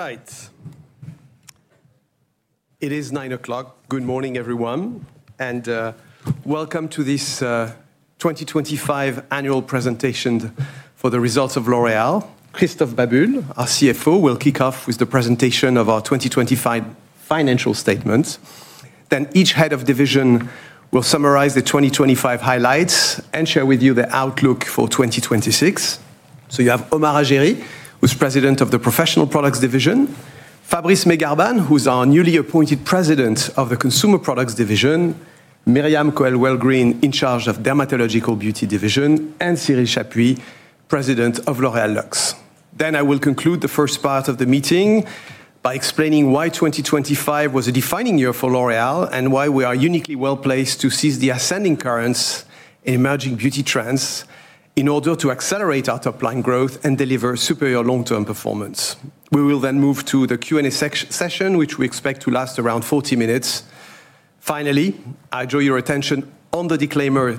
All right. It is 9:00 A.M. Good morning, everyone, and welcome to this 2025 annual presentation for the results of L'Oréal. Christophe Babule, our CFO, will kick off with the presentation of our 2025 financial statements. Then each head of division will summarize the 2025 highlights and share with you the outlook for 2026. You have Omar Hajeri, who's President of the Professional Products Division, Fabrice Megarbane, who's our newly appointed President of the Consumer Products Division, Myriam Cohen-Welgryn, in charge of Dermatological Beauty Division, and Cyril Chapuy, President of L'Oréal Luxe. Then I will conclude the first part of the meeting by explaining why 2025 was a defining year for L'Oréal, and why we are uniquely well-placed to seize the ascending currents in emerging beauty trends in order to accelerate our top line growth and deliver superior long-term performance. We will then move to the Q&A session, which we expect to last around 40 minutes. Finally, I draw your attention to the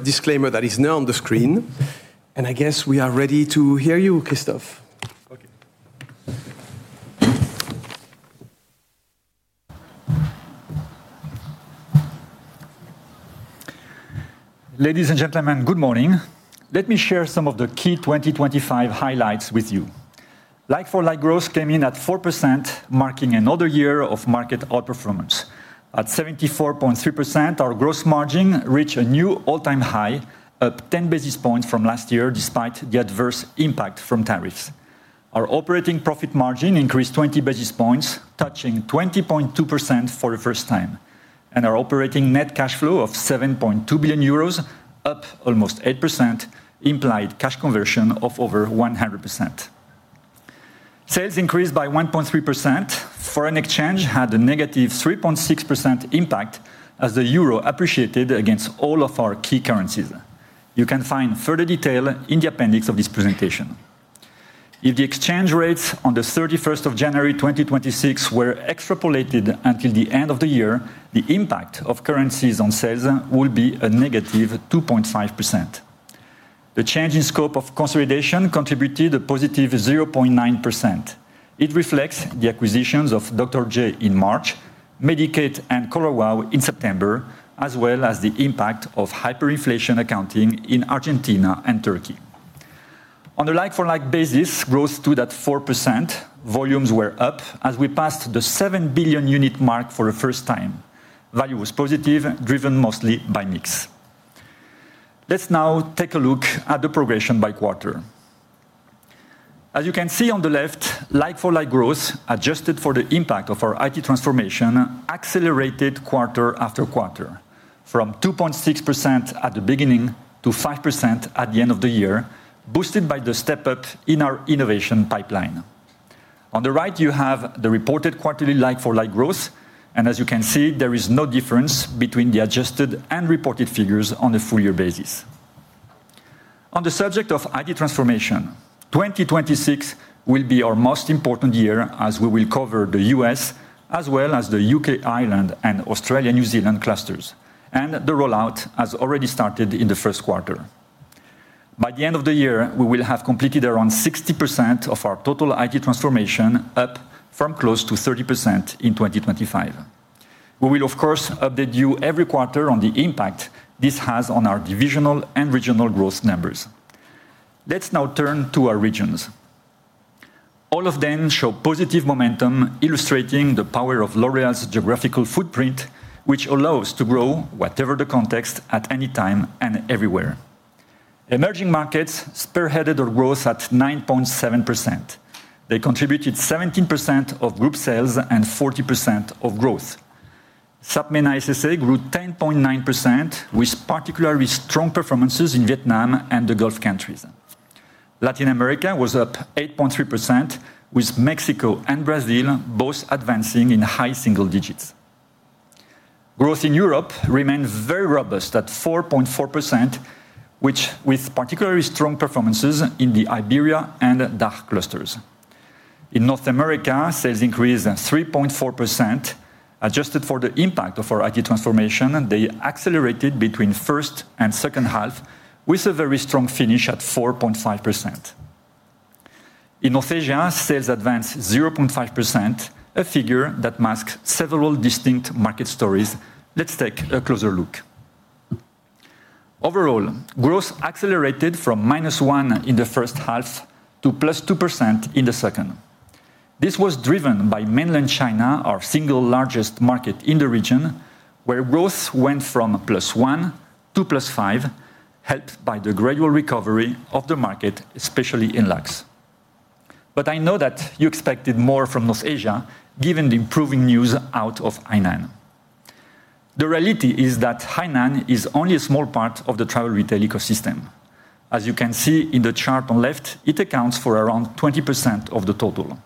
disclaimer that is now on the screen, and I guess we are ready to hear you, Christophe. Okay. Ladies and gentlemen, good morning. Let me share some of the key 2025 highlights with you. Like-for-like growth came in at 4%, marking another year of market outperformance. At 74.3%, our gross margin reached a new all-time high, up 10 basis points from last year, despite the adverse impact from tariffs. Our operating profit margin increased 20 basis points, touching 20.2% for the first time, and our operating net cash flow of 7.2 billion euros, up almost 8%, implied cash conversion of over 100%. Sales increased by 1.3%. Foreign exchange had a negative 3.6% impact as the euro appreciated against all of our key currencies. You can find further detail in the appendix of this presentation. If the exchange rates on the thirty-first of January, 2026 were extrapolated until the end of the year, the impact of currencies on sales would be a -2.5%. The change in scope of consolidation contributed a +0.9%. It reflects the acquisitions of Dr.GJ in March, Medik8 and Color Wow in September, as well as the impact of hyperinflation accounting in Argentina and Turkey. On a like-for-like basis, growth stood at 4%. Volumes were up as we passed the 7 billion unit mark for the first time. Value was positive, driven mostly by mix. Let's now take a look at the progression by quarter. As you can see on the left, like-for-like growth, adjusted for the impact of our IT transformation, accelerated quarter after quarter, from 2.6% at the beginning to 5% at the end of the year, boosted by the step-up in our innovation pipeline. On the right, you have the reported quarterly like-for-like growth, and as you can see, there is no difference between the adjusted and reported figures on a full year basis. On the subject of IT transformation, 2026 will be our most important year, as we will cover the U.S. as well as the U.K., Ireland, and Australia, New Zealand clusters, and the rollout has already started in the first quarter. By the end of the year, we will have completed around 60% of our total IT transformation, up from close to 30% in 2025. We will, of course, update you every quarter on the impact this has on our divisional and regional growth numbers. Let's now turn to our regions. All of them show positive momentum, illustrating the power of L'Oréal's geographical footprint, which allows to grow whatever the context, at any time and everywhere. Emerging markets spearheaded our growth at 9.7%. They contributed 17% of group sales and 40% of growth. SAPMENA SSA grew 10.9%, with particularly strong performances in Vietnam and the Gulf countries. Latin America was up 8.3%, with Mexico and Brazil both advancing in high single digits. Growth in Europe remains very robust at 4.4%, which, with particularly strong performances in the Iberia and DACH clusters. In North America, sales increased at 3.4%, adjusted for the impact of our IT transformation, and they accelerated between first and second half with a very strong finish at 4.5%. In North Asia, sales advanced 0.5%, a figure that masks several distinct market stories. Let's take a closer look. Overall, growth accelerated from -1% in the first half to +2% in the second. This was driven by Mainland China, our single largest market in the region, where growth went from +1% to+5%, helped by the gradual recovery of the market, especially in Luxe. But I know that you expected more from North Asia, given the improving news out of Hainan. The reality is that Hainan is only a small part of the travel retail ecosystem. As you can see in the chart on left, it accounts for around 20% of the total.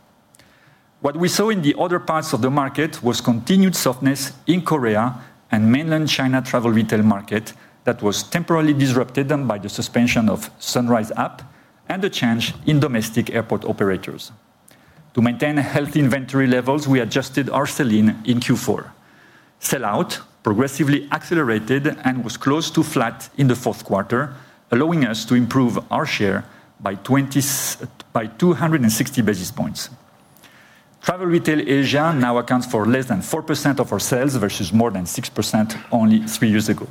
What we saw in the other parts of the market was continued softness in Korea and Mainland China travel retail market that was temporarily disrupted by the suspension of Sunrise app and the change in domestic airport operators. To maintain healthy inventory levels, we adjusted our selling in Q4. Sell-out progressively accelerated and was close to flat in the fourth quarter, allowing us to improve our share by 260 basis points. Travel Retail Asia now accounts for less than 4% of our sales, versus more than 6% only three years ago.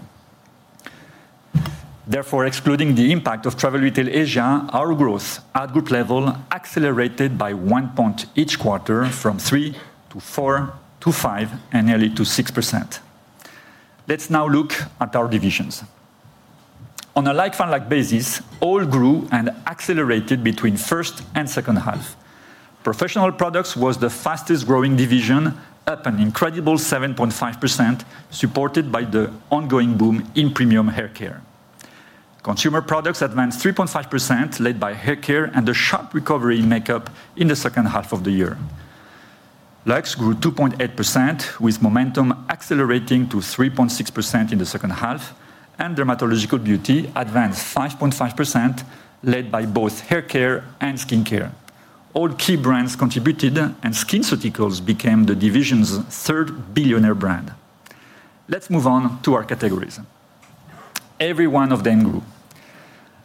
Therefore, excluding the impact of Travel Retail Asia, our growth at group level accelerated by 1 point each quarter from 3%-4%-5%, and nearly to 6%. Let's now look at our divisions. On a like-for-like basis, all grew and accelerated between first and second half. Professional Products was the fastest-growing division, up an incredible 7.5%, supported by the ongoing boom in premium haircare. Consumer Products advanced 3.5%, led by haircare and a sharp recovery in makeup in the second half of the year. Luxe grew 2.8%, with momentum accelerating to 3.6% in the second half, and Dermatological Beauty advanced 5.5%, led by both haircare and skincare. All key brands contributed, and SkinCeuticals became the division's third billionaire brand. Let's move on to our categories. Every one of them grew.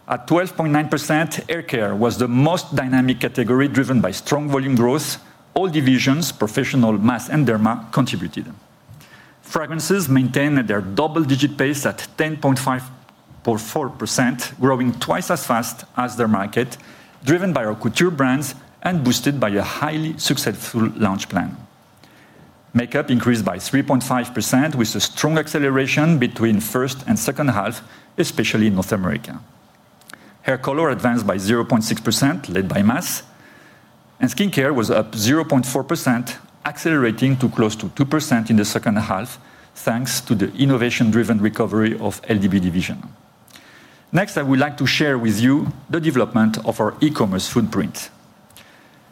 At 12.9%, haircare was the most dynamic category, driven by strong volume growth. All divisions, Professional, Mass, and Derma, contributed. Fragrances maintained their double-digit pace at 10.54%, growing twice as fast as their market, driven by our couture brands and boosted by a highly successful launch plan. Makeup increased by 3.5%, with a strong acceleration between first and second half, especially in North America. Hair color advanced by 0.6%, led by Mass, and Skincare was up 0.4%, accelerating to close to 2% in the second half, thanks to the innovation-driven recovery of LDB division. Next, I would like to share with you the development of our e-commerce footprint.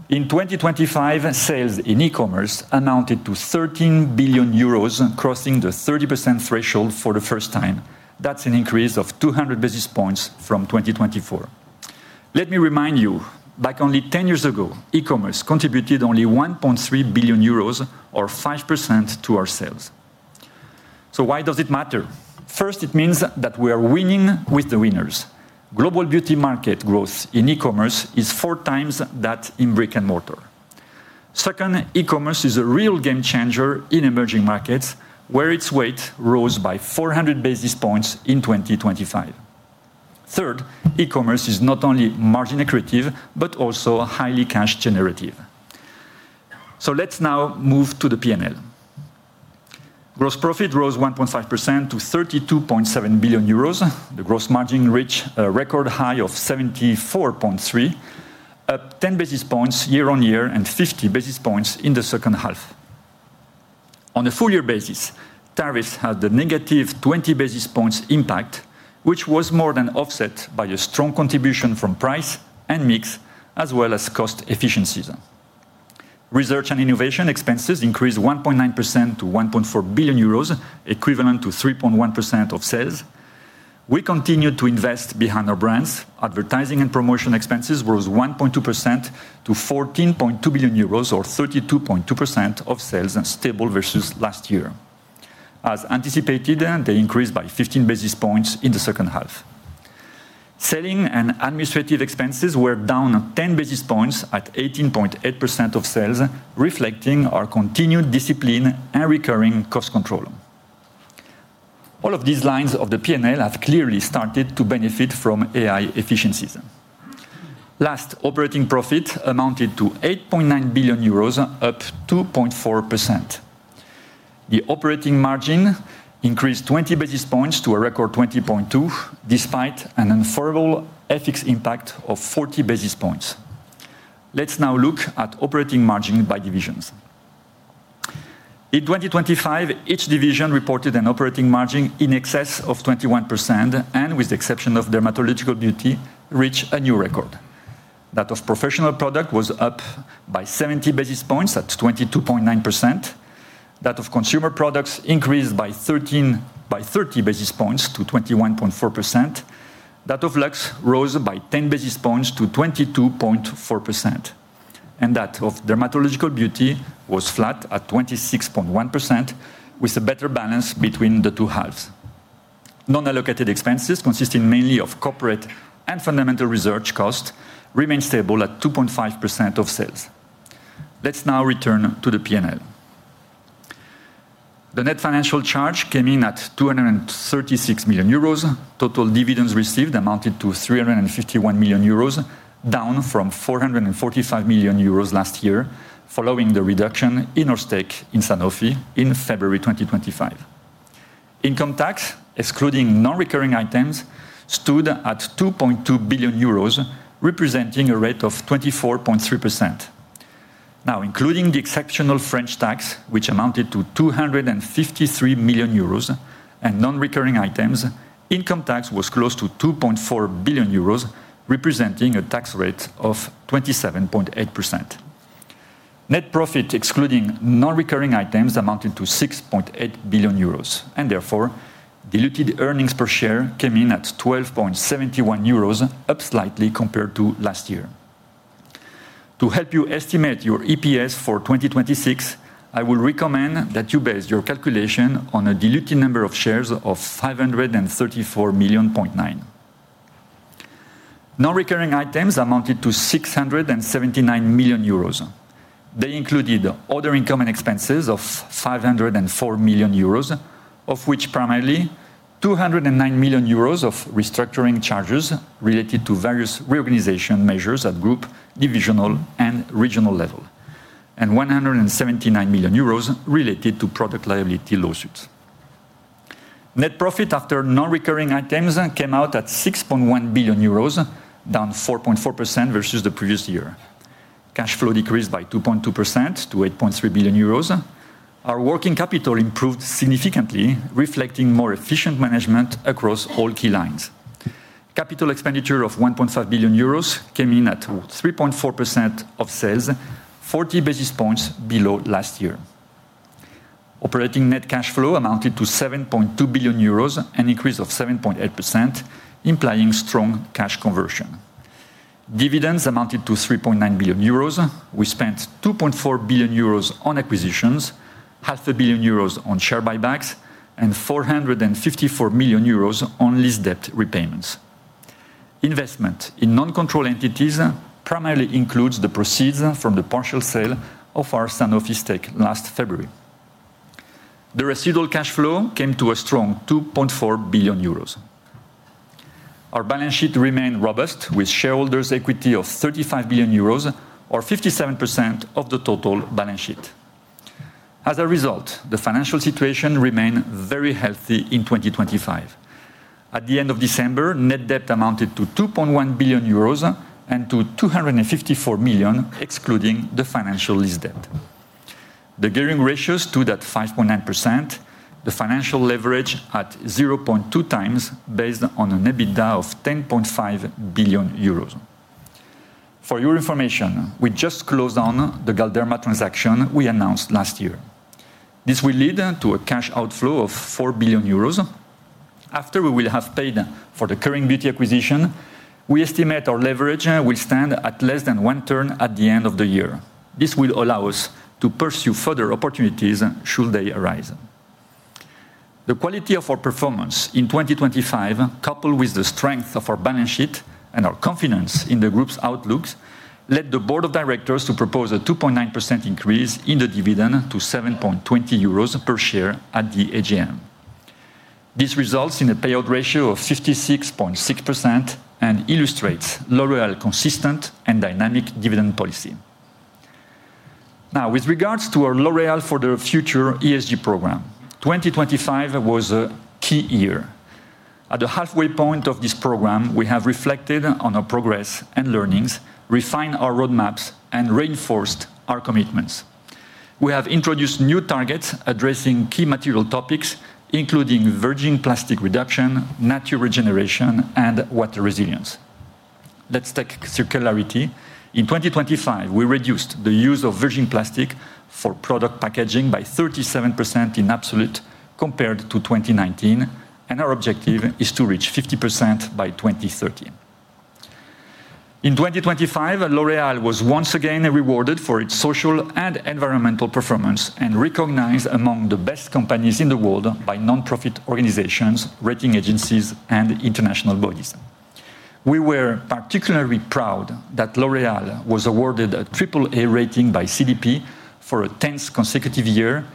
In 2025, sales in e-commerce amounted to 13 billion euros, crossing the 30% threshold for the first time. That's an increase of 200 basis points from 2024. Let me remind you, back only 10 years ago, e-commerce contributed only 1.3 billion euros or 5% to our sales. So why does it matter? First, it means that we are winning with the winners. Global beauty market growth in e-commerce is 4x that in brick-and-mortar. Second, e-commerce is a real game changer in emerging markets, where its weight rose by 400 basis points in 2025. Third, e-commerce is not only margin accretive, but also highly cash generative. So let's now move to the P&L. Gross profit rose 1.5% to 32.7 billion euros. The gross margin reached a record high of 74.3%, up 10 basis points year-over-year, and 50 basis points in the second half. On a full year basis, tariffs had a negative 20 basis points impact, which was more than offset by a strong contribution from price and mix, as well as cost efficiencies. Research and innovation expenses increased 1.9% to 1.4 billion euros, equivalent to 3.1% of sales. We continued to invest behind our brands. Advertising and promotion expenses rose 1.2% to 14.2 billion euros, or 32.2% of sales, and stable versus last year. As anticipated, they increased by 15 basis points in the second half. Selling and administrative expenses were down 10 basis points at 18.8% of sales, reflecting our continued discipline and recurring cost control. All of these lines of the P&L have clearly started to benefit from AI efficiencies. Last, operating profit amounted to 8.9 billion euros, up 2.4%. The operating margin increased 20 basis points to a record 20.2, despite an unfavorable FX impact of 40 basis points. Let's now look at operating margin by divisions. In 2025, each division reported an operating margin in excess of 21%, and with the exception of Dermatological Beauty, reached a new record. That of Professional Products was up by 70 basis points at 22.9%. That of Consumer Products increased by 30 basis points to 21.4%. That of Luxe rose by 10 basis points to 22.4%, and that of Dermatological Beauty was flat at 26.1%, with a better balance between the two halves. Non-allocated expenses, consisting mainly of corporate and fundamental research costs, remained stable at 2.5% of sales. Let's now return to the P&L. The net financial charge came in at 236 million euros. Total dividends received amounted to 351 million euros, down from 445 million euros last year, following the reduction in our stake in Sanofi in February 2025. Income tax, excluding non-recurring items, stood at 2.2 billion euros, representing a rate of 24.3%. Now, including the exceptional French tax, which amounted to 253 million euros and non-recurring items, income tax was close to 2.4 billion euros, representing a tax rate of 27.8%. Net profit, excluding non-recurring items, amounted to 6.8 billion euros, and therefore diluted earnings per share came in at 12.71 euros, up slightly compared to last year. To help you estimate your EPS for 2026, I will recommend that you base your calculation on a diluted number of shares of 534.9 million. Non-recurring items amounted to 679 million euros. They included other income and expenses of 504 million euros, of which primarily 209 million euros of restructuring charges related to various reorganization measures at group, divisional, and regional level, and 179 million euros related to product liability lawsuits. Net profit after non-recurring items came out at 6.1 billion euros, down 4.4% versus the previous year. Cash flow decreased by 2.2% to 8.3 billion euros. Our working capital improved significantly, reflecting more efficient management across all key lines. Capital expenditure of 1.5 billion euros came in at 3.4% of sales, 40 basis points below last year. Operating net cash flow amounted to 7.2 billion euros, an increase of 7.8%, implying strong cash conversion. Dividends amounted to 3.9 billion euros. We spent 2.4 billion euros on acquisitions, 0.5 billion euros on share buybacks, and 454 million euros on lease debt repayments. Investment in non-control entities primarily includes the proceeds from the partial sale of our Sanofi stake last February. The residual cash flow came to a strong 2.4 billion euros. Our balance sheet remained robust, with shareholders' equity of 35 billion euros, or 57% of the total balance sheet. As a result, the financial situation remained very healthy in 2025. At the end of December, net debt amounted to 2.1 billion euros and to 254 million, excluding the financial lease debt. The gearing ratios stood at 5.9%, the financial leverage at 0.2 times, based on an EBITDA of 10.5 billion euros. For your information, we just closed on the Galderma transaction we announced last year. This will lead to a cash outflow of 4 billion euros. After we will have paid for the Kering Beauty acquisition, we estimate our leverage will stand at less than one turn at the end of the year. This will allow us to pursue further opportunities should they arise. The quality of our performance in 2025, coupled with the strength of our balance sheet and our confidence in the group's outlooks, led the board of directors to propose a 2.9% increase in the dividend to 7.20 euros per share at the AGM. This results in a payout ratio of 56.6% and illustrates L'Oréal's consistent and dynamic dividend policy. Now, with regards to our L'Oréal For The Future ESG program, 2025 was a key year. At the halfway point of this program, we have reflected on our progress and learnings, refined our roadmaps, and reinforced our commitments. We have introduced new targets addressing key material topics, including virgin plastic reduction, natural regeneration, and water resilience. Let's take circularity. In 2025, we reduced the use of virgin plastic for product packaging by 37% in absolute compared to 2019, and our objective is to reach 50% by 2030. In 2025, L'Oréal was once again rewarded for its social and environmental performance and recognized among the best companies in the world by nonprofit organizations, rating agencies, and international bodies. We were particularly proud that L'Oréal was awarded a triple-A rating by CDP for a 10th consecutive year,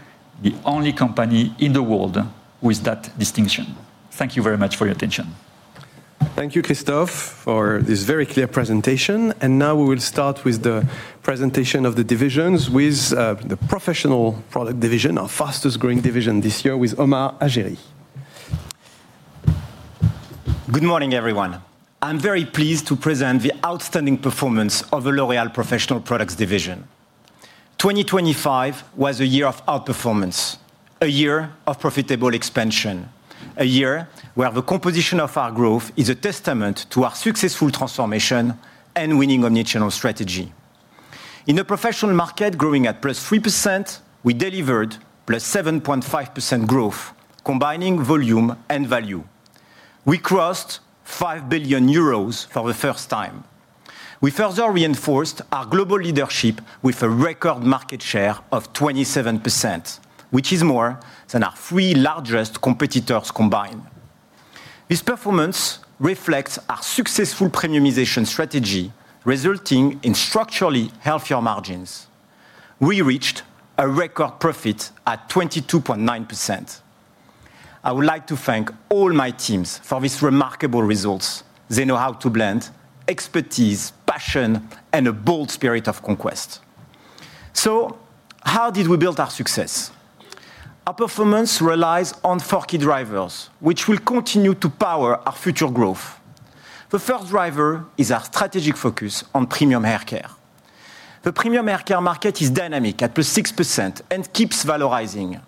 the only company in the world with that distinction. Thank you very much for your attention. Thank you, Christophe, for this very clear presentation. Now we will start with the presentation of the divisions with the Professional Products Division, our fastest-growing division this year, with Omar Hajeri. Good morning, everyone. I'm very pleased to present the outstanding performance of the L'Oréal Professional Products Division. 2025 was a year of outperformance, a year of profitable expansion, a year where the composition of our growth is a testament to our successful transformation and winning omnichannel strategy. In a professional market growing at +3%, we delivered +7.5% growth, combining volume and value. We crossed 5 billion euros for the first time. We further reinforced our global leadership with a record market share of 27%, which is more than our three largest competitors combined. This performance reflects our successful premiumization strategy, resulting in structurally healthier margins. We reached a record profit at 22.9%. I would like to thank all my teams for these remarkable results. They know how to blend expertise, passion, and a bold spirit of conquest. So how did we build our success? Our performance relies on four key drivers, which will continue to power our future growth. The first driver is our strategic focus on premium haircare. The premium haircare market is dynamic at +6% and keeps valorizing.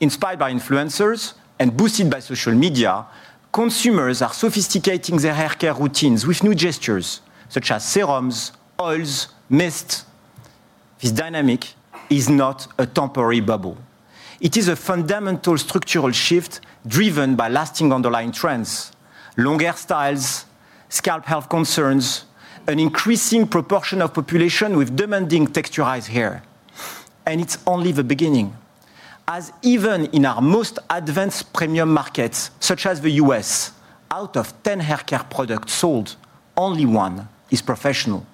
Inspired by influencers and boosted by social media, consumers are sophisticating their haircare routines with new gestures, such as serums, oils, mists.... This dynamic is not a temporary bubble. It is a fundamental structural shift driven by lasting underlying trends: long hairstyles, scalp health concerns, an increasing proportion of population with demanding texturized hair. And it's only the beginning, as even in our most advanced premium markets, such as the U.S., out of 10 haircare products sold, only one is professional.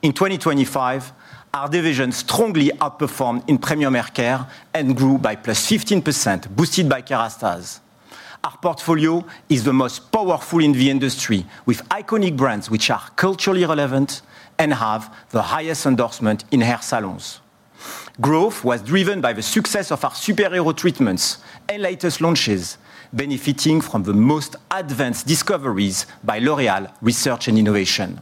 In 2025, our division strongly outperformed in premium haircare and grew by +15%, boosted by Kérastase. Our portfolio is the most powerful in the industry, with iconic brands which are culturally relevant and have the highest endorsement in hair salons. Growth was driven by the success of our Super Hero treatments and latest launches, benefiting from the most advanced discoveries by L'Oréal Research and Innovation.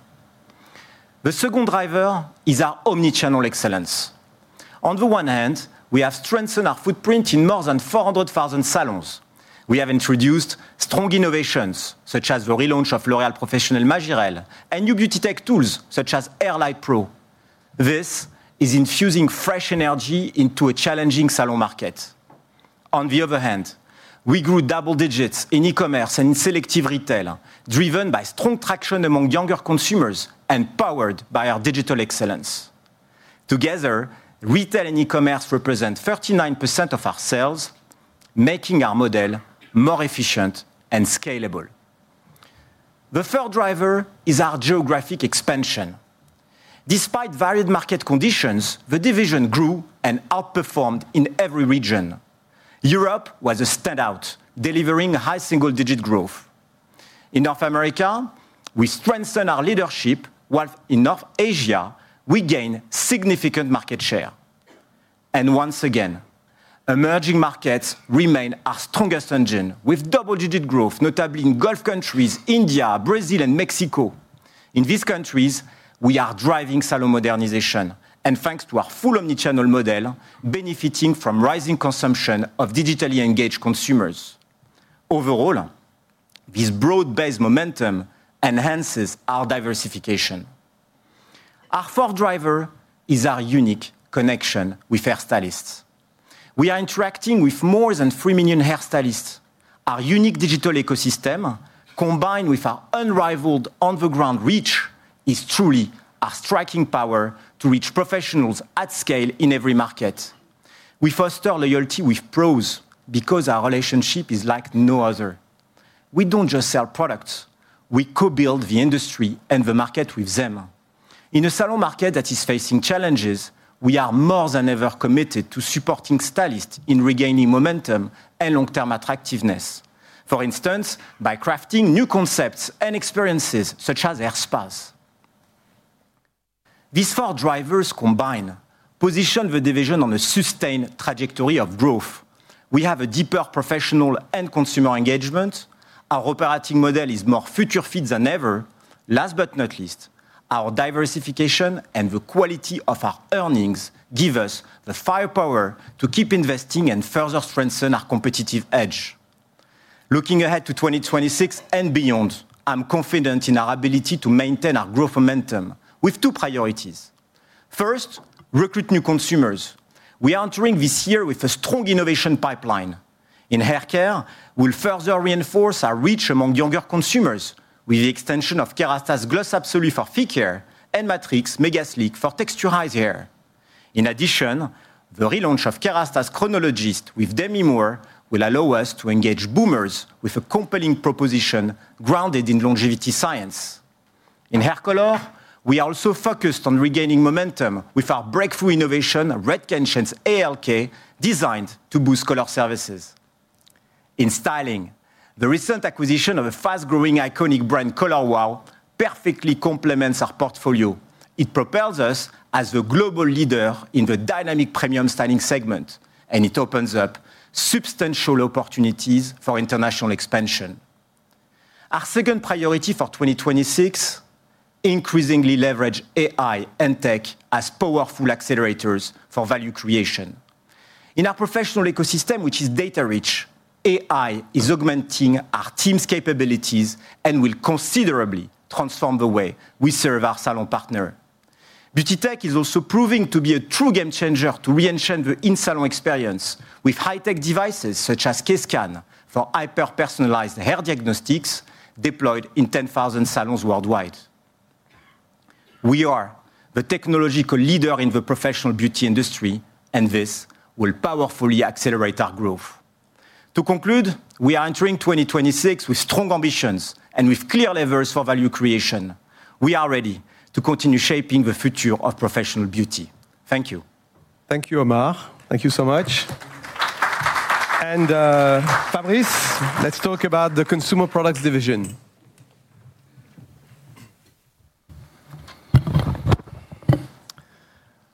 The second driver is our omni-channel excellence. On the one hand, we have strengthened our footprint in more than 400,000 salons. We have introduced strong innovations, such as the relaunch of L'Oréal Professionnel Majirel, and new beauty tech tools, such as AirLight Pro. This is infusing fresh energy into a challenging salon market. On the other hand, we grew double digits in e-commerce and in selective retail, driven by strong traction among younger consumers and powered by our digital excellence. Together, retail and e-commerce represent 39% of our sales, making our model more efficient and scalable. The third driver is our geographic expansion. Despite varied market conditions, the division grew and outperformed in every region. Europe was a standout, delivering high single-digit growth. In North America, we strengthened our leadership, while in North Asia, we gained significant market share. And once again, emerging markets remain our strongest engine, with double-digit growth, notably in Gulf countries, India, Brazil, and Mexico. In these countries, we are driving salon modernization, and thanks to our full omni-channel model, benefiting from rising consumption of digitally engaged consumers. Overall, this broad-based momentum enhances our diversification. Our fourth driver is our unique connection with hairstylists. We are interacting with more than 3 million hairstylists. Our unique digital ecosystem, combined with our unrivaled on-the-ground reach, is truly our striking power to reach professionals at scale in every market. We foster loyalty with pros because our relationship is like no other. We don't just sell products, we co-build the industry and the market with them. In a salon market that is facing challenges, we are more than ever committed to supporting stylists in regaining momentum and long-term attractiveness, for instance, by crafting new concepts and experiences such as hair spas. These four drivers combined position the division on a sustained trajectory of growth. We have a deeper professional and consumer engagement. Our operating model is more future-fit than ever. Last but not least, our diversification and the quality of our earnings give us the firepower to keep investing and further strengthen our competitive edge. Looking ahead to 2026 and beyond, I'm confident in our ability to maintain our growth momentum with two priorities. First, recruit new consumers. We are entering this year with a strong innovation pipeline. In haircare, we'll further reinforce our reach among younger consumers with the extension of Kérastase Gloss Absolu for thick hair and Matrix Mega Sleek for texturized hair. In addition, the relaunch of Kérastase Chronologiste with Demi Moore will allow us to engage boomers with a compelling proposition grounded in longevity science. In hair color, we are also focused on regaining momentum with our breakthrough innovation, Redken Shades EQ, designed to boost color services. In styling, the recent acquisition of a fast-growing iconic brand, Color Wow, perfectly complements our portfolio. It propels us as the global leader in the dynamic premium styling segment, and it opens up substantial opportunities for international expansion. Our second priority for 2026, increasingly leverage AI and tech as powerful accelerators for value creation. In our professional ecosystem, which is data-rich, AI is augmenting our team's capabilities and will considerably transform the way we serve our salon partner. Beauty Tech is also proving to be a true game changer to re-enchant the in-salon experience with high-tech devices, such as K-Scan, for hyper-personalized hair diagnostics deployed in 10,000 salons worldwide. We are the technological leader in the professional beauty industry, and this will powerfully accelerate our growth. To conclude, we are entering 2026 with strong ambitions and with clear levers for value creation. We are ready to continue shaping the future of professional beauty. Thank you. Thank you, Omar. Thank you so much. Fabrice, let's talk about the Consumer Products Division.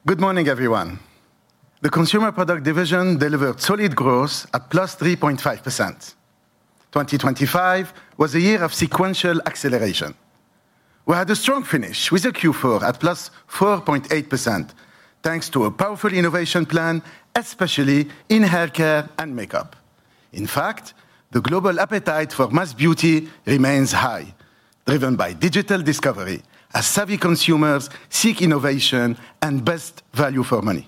Good morning, everyone. The Consumer Products Division delivered solid growth at +3.5%. 2025 was a year of sequential acceleration. We had a strong finish with a Q4 at +4.8%, thanks to a powerful innovation plan, especially in haircare and makeup. In fact, the global appetite for mass beauty remains high, driven by digital discovery, as savvy consumers seek innovation and best value for money.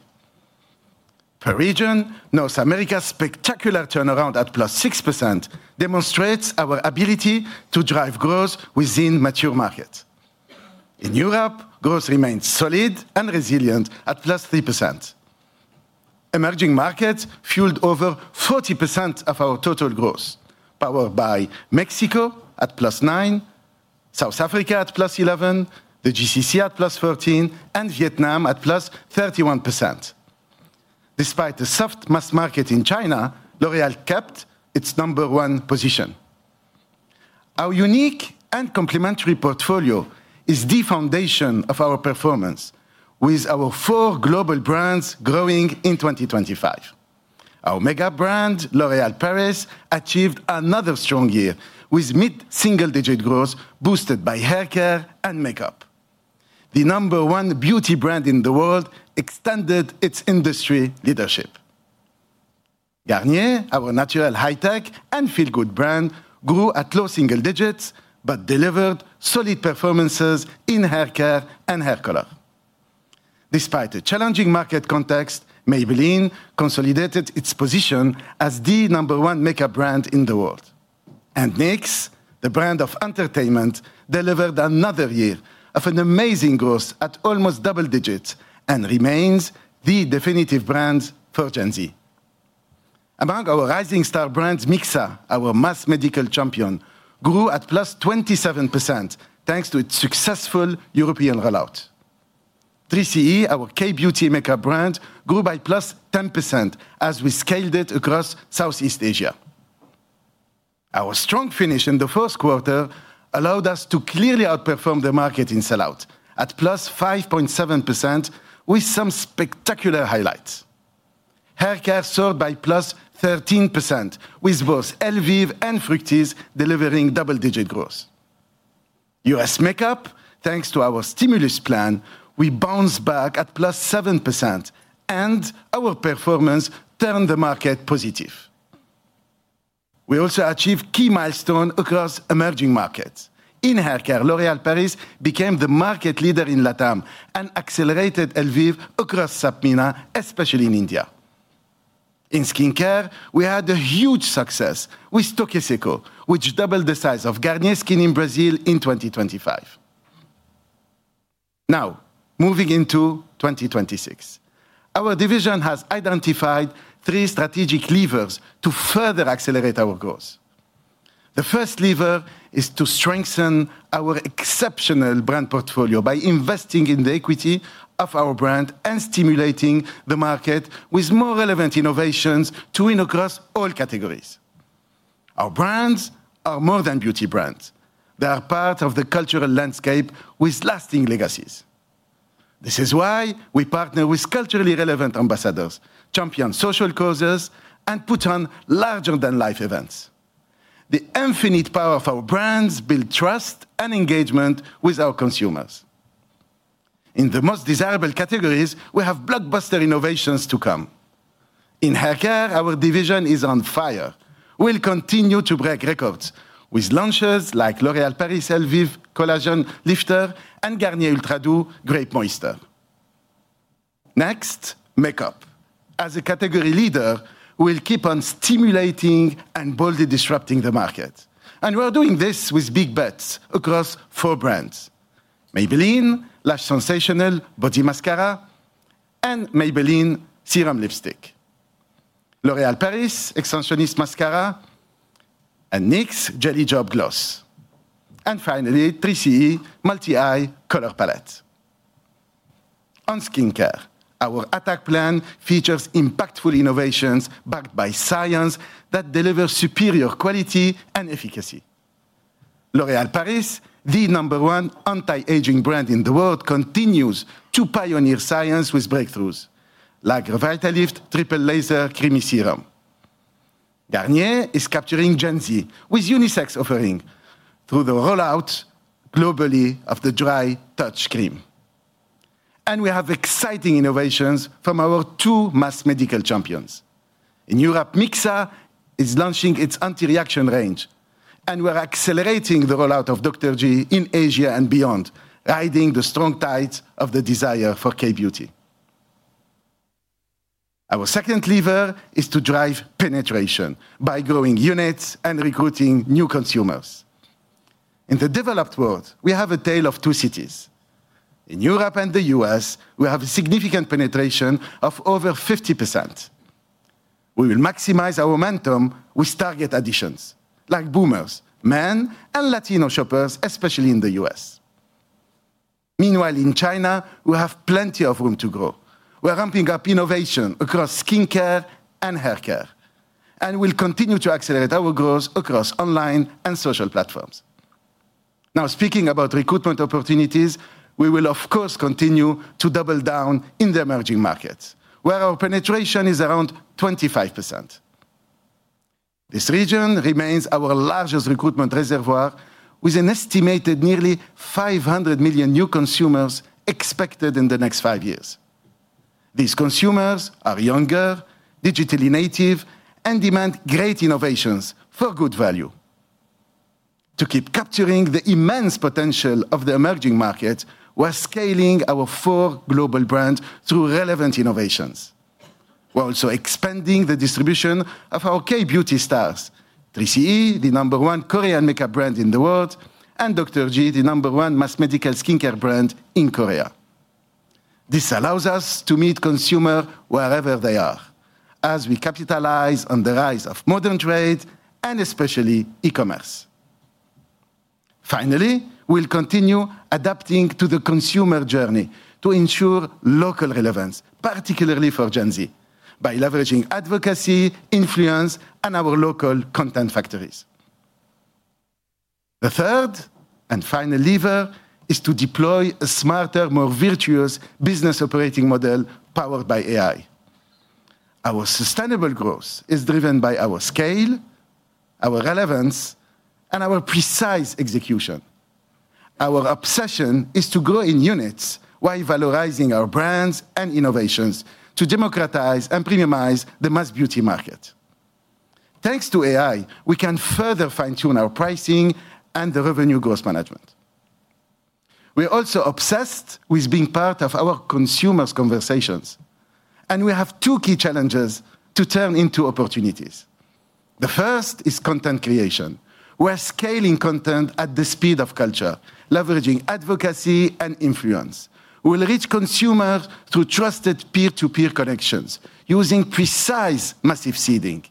Per region, North America's spectacular turnaround at +6% demonstrates our ability to drive growth within mature markets. In Europe, growth remains solid and resilient at +3%. Emerging markets fueled over 40% of our total growth, powered by Mexico at +9%, South Africa at +11%, the GCC at +14%, and Vietnam at +31%. Despite the soft mass market in China, L'Oréal kept its number one position. Our unique and complementary portfolio is the foundation of our performance, with our four global brands growing in 2025. Our mega brand, L'Oréal Paris, achieved another strong year, with mid-single-digit growth boosted by haircare and makeup. The number one beauty brand in the world extended its industry leadership. Garnier, our natural high-tech and feel-good brand, grew at low single digits, but delivered solid performances in haircare and hair color. Despite a challenging market context, Maybelline consolidated its position as the number one makeup brand in the world. NYX, the brand of entertainment, delivered another year of an amazing growth at almost double digits and remains the definitive brand for Gen Z. Among our rising star brands, Mixa, our mass medical champion, grew at +27%, thanks to its successful European rollout. 3CE, our K-beauty makeup brand, grew by +10% as we scaled it across Southeast Asia. Our strong finish in the first quarter allowed us to clearly outperform the market in sellout at +5.7%, with some spectacular highlights. Haircare sold by +13%, with both Elvive and Fructis delivering double-digit growth. U.S. makeup, thanks to our stimulus plan, we bounced back at +7%, and our performance turned the market positive. We also achieved key milestone across emerging markets. In haircare, L'Oréal Paris became the market leader in LATAM and accelerated Elvive across SAPMENA, especially in India. In skincare, we had a huge success with Toque Seco, which doubled the size of Garnier Skin in Brazil in 2025. Now, moving into 2026, our division has identified three strategic levers to further accelerate our growth. The first lever is to strengthen our exceptional brand portfolio by investing in the equity of our brand and stimulating the market with more relevant innovations to win across all categories. Our brands are more than beauty brands. They are part of the cultural landscape with lasting legacies. This is why we partner with culturally relevant ambassadors, champion social causes, and put on larger-than-life events. The infinite power of our brands build trust and engagement with our consumers. In the most desirable categories, we have blockbuster innovations to come. In haircare, our division is on fire. We'll continue to break records with launches like L'Oréal Paris Elvive Collagen Lifter and Garnier Ultra Doux Grape Moisture. Next, makeup. As a category leader, we'll keep on stimulating and boldly disrupting the market, and we are doing this with big bets across four brands: Maybelline Lash Sensational Volum' Mascara and Maybelline Serum Lipstick, L'Oréal Paris Extensionist Mascara, and NYX Jelly Job Gloss, and finally, 3CE Multi Eye Color Palette. On skincare, our attack plan features impactful innovations backed by science that delivers superior quality and efficacy. L'Oréal Paris, the number one anti-aging brand in the world, continues to pioneer science with breakthroughs like Revitalift Triple Laser Creamy Serum. Garnier is capturing Gen Z with unisex offering through the rollout globally of the Dry Touch Cream. We have exciting innovations from our two mass medical champions. In Europe, Mixa is launching its anti-reaction range, and we are accelerating the rollout of Dr.G in Asia and beyond, riding the strong tides of the desire for K-beauty. Our second lever is to drive penetration by growing units and recruiting new consumers. In the developed world, we have a tale of two cities. In Europe and the U.S., we have a significant penetration of over 50%. We will maximize our momentum with target additions like boomers, men, and Latino shoppers, especially in the U.S. Meanwhile, in China, we have plenty of room to grow. We are ramping up innovation across skincare and haircare, and we'll continue to accelerate our growth across online and social platforms. Now, speaking about recruitment opportunities, we will, of course, continue to double down in the emerging markets, where our penetration is around 25%. This region remains our largest recruitment reservoir, with an estimated nearly 500 million new consumers expected in the next five years. These consumers are younger, digitally native, and demand great innovations for good value. To keep capturing the immense potential of the emerging market, we're scaling our four global brands through relevant innovations. We're also expanding the distribution of our K-beauty stars: 3CE, the number one Korean makeup brand in the world, and Dr.G, the number one mass medical skincare brand in Korea. This allows us to meet consumer wherever they are, as we capitalize on the rise of modern trade and especially e-commerce. Finally, we'll continue adapting to the consumer journey to ensure local relevance, particularly for Gen Z, by leveraging advocacy, influence, and our local content factories. The third and final lever is to deploy a smarter, more virtuous business operating model powered by AI. Our sustainable growth is driven by our scale, our relevance, and our precise execution. Our obsession is to grow in units while valorizing our brands and innovations to democratize and premiumize the mass beauty market. Thanks to AI, we can further fine-tune our pricing and the revenue growth management. We are also obsessed with being part of our consumers' conversations, and we have two key challenges to turn into opportunities. The first is content creation. We're scaling content at the speed of culture, leveraging advocacy and influence. We'll reach consumers through trusted peer-to-peer connections using precise massive seeding.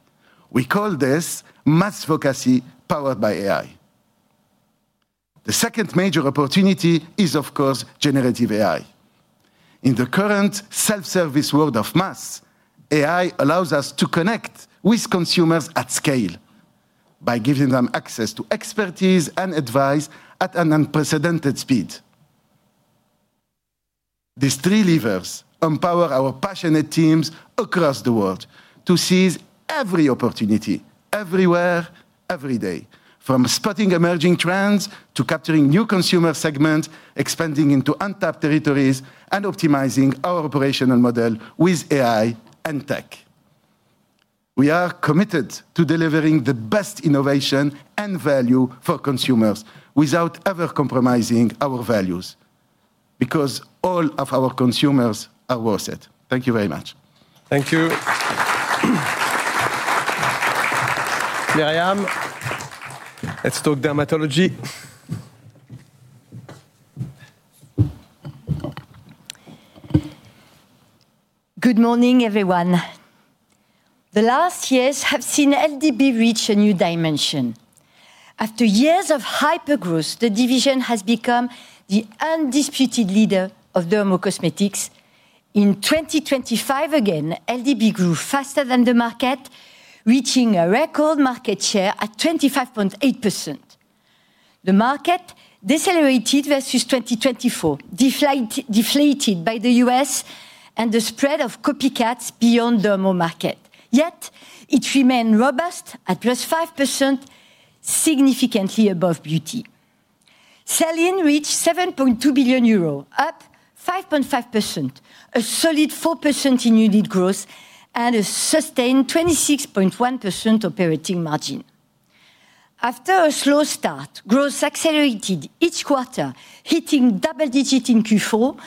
We call this mass vocacy powered by AI. The second major opportunity is, of course, generative AI. In the current self-service world of mass, AI allows us to connect with consumers at scale by giving them access to expertise and advice at an unprecedented speed. These three levers empower our passionate teams across the world to seize every opportunity, everywhere, every day, from spotting emerging trends to capturing new consumer segments, expanding into untapped territories, and optimizing our operational model with AI and tech. We are committed to delivering the best innovation and value for consumers without ever compromising our values, because all of our consumers are worth it. Thank you very much. Thank you. Myriam, let's talk dermatology. Good morning, everyone. The last years have seen LDB reach a new dimension. After years of hypergrowth, the division has become the undisputed leader of dermocosmetics. In 2025 again, LDB grew faster than the market, reaching a record market share at 25.8%. The market decelerated versus 2024, deflated by the U.S. and the spread of copycats beyond dermacosmetics market. Yet it remained robust at +5%, significantly above beauty. Sell-in reached 7.2 billion euros, up 5.5%, a solid 4% in unit growth, and a sustained 26.1% operating margin. After a slow start, growth accelerated each quarter, hitting double-digit in Q4,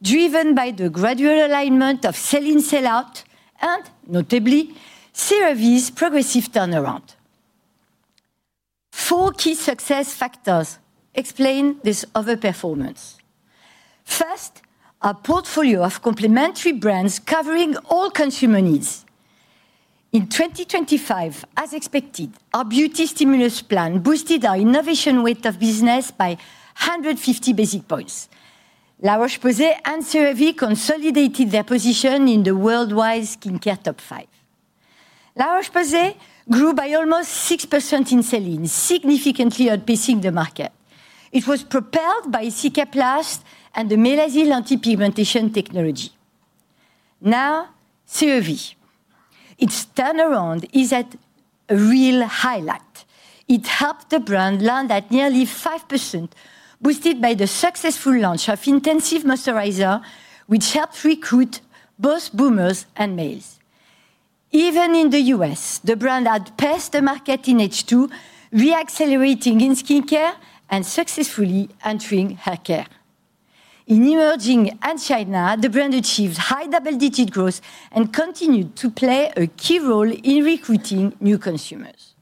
driven by the gradual alignment of sell-in, sell-out, and notably, CeraVe's progressive turnaround. Four key success factors explain this overperformance. First, our portfolio of complementary brands covering all consumer needs. In 2025, as expected, our Beauty Stimulus Plan boosted our innovation weight of business by 150 basis points. La Roche-Posay and CeraVe consolidated their position in the worldwide skincare top five. La Roche-Posay grew by almost 6% in sell-in, significantly outpacing the market. It was propelled by Cicaplast and the Melasyl anti-pigmentation technology. Now, CeraVe. Its turnaround is a real highlight. It helped the brand land at nearly 5%, boosted by the successful launch of intensive moisturizer, which helped recruit both boomers and males. Even in the U.S., the brand outpaced the market in H2, re-accelerating in skincare and successfully entering haircare. In emerging and China, the brand achieved high double-digit growth and continued to play a key role in recruiting new consumers.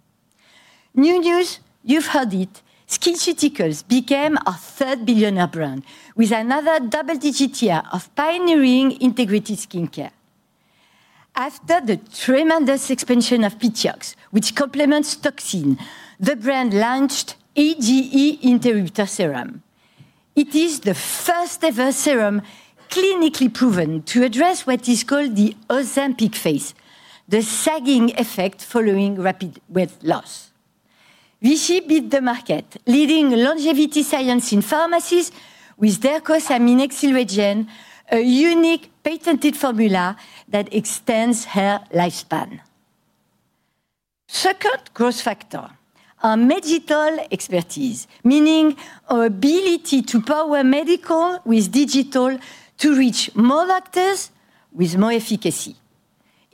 New news, you've heard it, SkinCeuticals became our third billionaire brand, with another double-digit year of pioneering integrated skincare. After the tremendous expansion of P-TIOX, which complements toxin, the brand launched A.G.E. Interrupter Serum. It is the first-ever serum clinically proven to address what is called the Ozempic face, the sagging effect following rapid weight loss. Vichy beat the market, leading longevity science in pharmacies with Dercos Aminexil Regen, a unique patented formula that extends hair lifespan. Second growth factor, our medical expertise, meaning our ability to power medical with digital to reach more doctors with more efficacy.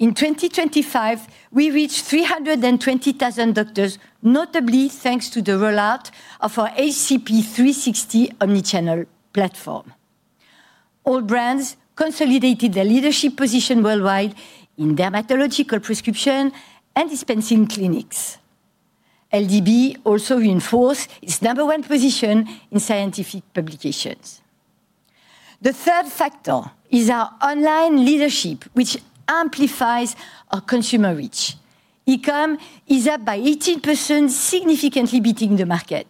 In 2025, we reached 320,000 doctors, notably thanks to the rollout of our HCP 360 omni-channel platform. All brands consolidated their leadership position worldwide in dermatological prescription and dispensing clinics. LDB also reinforced its number one position in scientific publications. The third factor is our online leadership, which amplifies our consumer reach. E-com is up by 18%, significantly beating the market.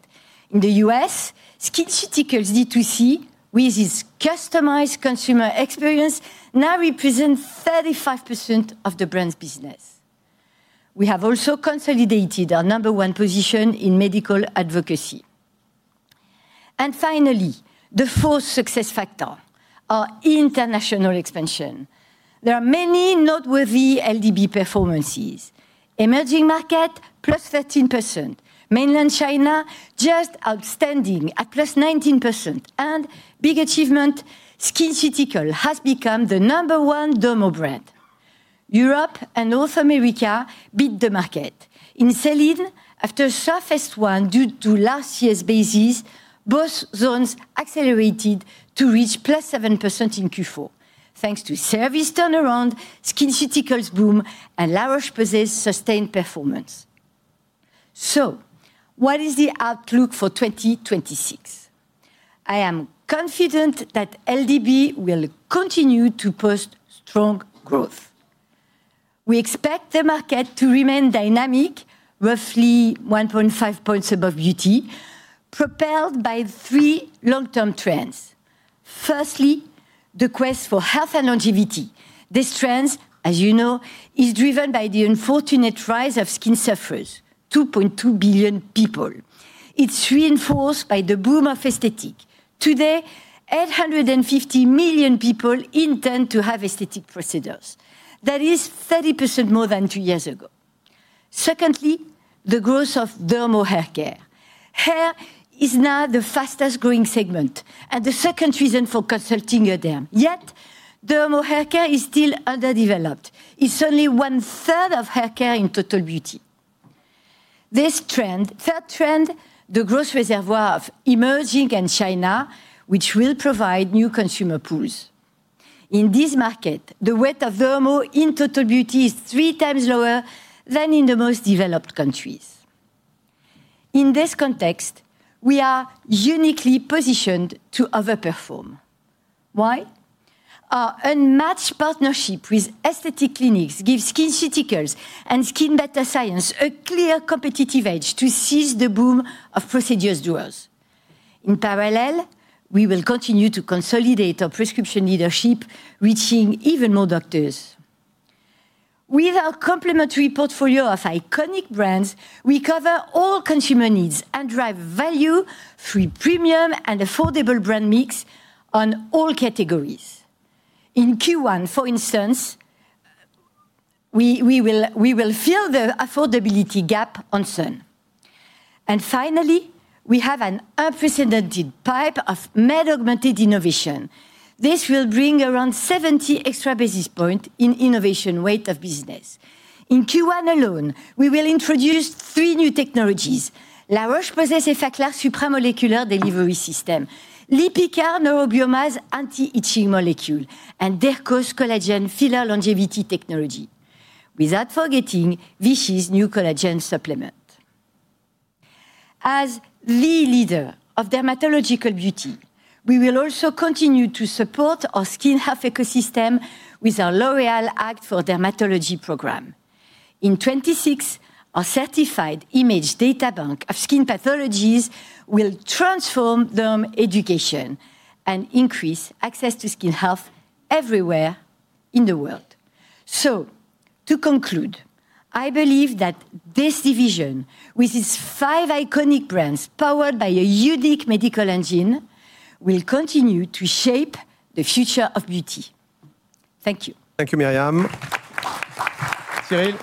In the U.S., SkinCeuticals D2C, with its customized consumer experience, now represents 35% of the brand's business. We have also consolidated our number one position in medical advocacy. Finally, the fourth success factor, our international expansion. There are many noteworthy LDB performances. Emerging market, +13%. Mainland China, just outstanding at +19%, and big achievement, SkinCeuticals has become the number one derma brand. Europe and North America beat the market. In Q1, after a soft Q1, due to last year's basis, both zones accelerated to reach +7% in Q4, thanks to service turnaround, SkinCeuticals' boom, and La Roche-Posay's sustained performance. So what is the outlook for 2026? I am confident that LDB will continue to post strong growth. We expect the market to remain dynamic, roughly 1.5 points above beauty, propelled by three long-term trends. Firstly, the quest for health and longevity. This trend, as you know, is driven by the unfortunate rise of skin sufferers, 2.2 billion people. It's reinforced by the boom of aesthetic. Today, 850 million people intend to have aesthetic procedures. That is 30% more than two years ago. Secondly, the growth of derma hair care. Hair is now the fastest-growing segment and the second reason for consulting a derm. Yet, derma hair care is still underdeveloped. It's only one-third of hair care in total beauty. This trend. Third trend, the growth reservoir of emerging in China, which will provide new consumer pools. In this market, the weight of derma in total beauty is three times lower than in the most developed countries. In this context, we are uniquely positioned to overperform. Why? Our unmatched partnership with aesthetic clinics gives SkinCeuticals and SkinBetter Science a clear competitive edge to seize the boom of procedure doers. In parallel, we will continue to consolidate our prescription leadership, reaching even more doctors. With our complementary portfolio of iconic brands, we cover all consumer needs and drive value through premium and affordable brand mix on all categories. In Q1, for instance, we will fill the affordability gap on sun. And finally, we have an unprecedented pipeline of med-augmented innovation. This will bring around 70 extra basis points in innovation weight of business. In Q1 alone, we will introduce three new technologies: La Roche-Posay Effaclar supramolecular delivery system, Lipikar Neurobiome's anti-itching molecule, and Dermacol's collagen filler longevity technology, without forgetting Vichy's new collagen supplement. As the leader of dermatological beauty, we will also continue to support our skin health ecosystem with our L'Oréal Act for Dermatology program. In 2026, our certified image databank of skin pathologies will transform derm education and increase access to skin health everywhere in the world. So to conclude, I believe that this division, with its five iconic brands powered by a unique medical engine, will continue to shape the future of beauty. Thank you. Thank you, Myriam. Cyril?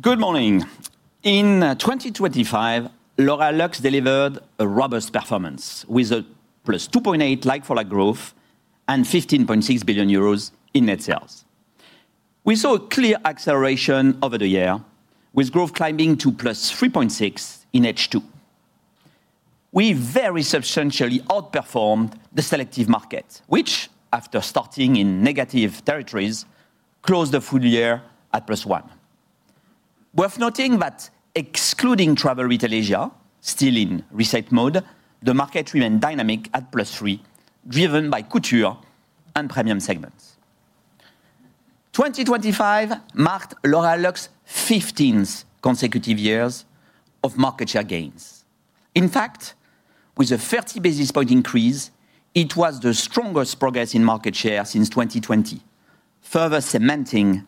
Good morning. In 2025, L'Oréal Luxe delivered a robust performance, with a +2.8 like for like growth and 15.6 billion euros in net sales. We saw a clear acceleration over the year, with growth climbing to +3.6 in H2. We very substantially outperformed the selective market, which, after starting in negative territories, closed the full year at +1. Worth noting that excluding travel retail Asia, still in reset mode, the market remained dynamic at +3, driven by couture and premium segments. 2025 marked L'Oréal Luxe's 15th consecutive years of market share gains. In fact, with a 30 basis point increase, it was the strongest progress in market share since 2020, further cementing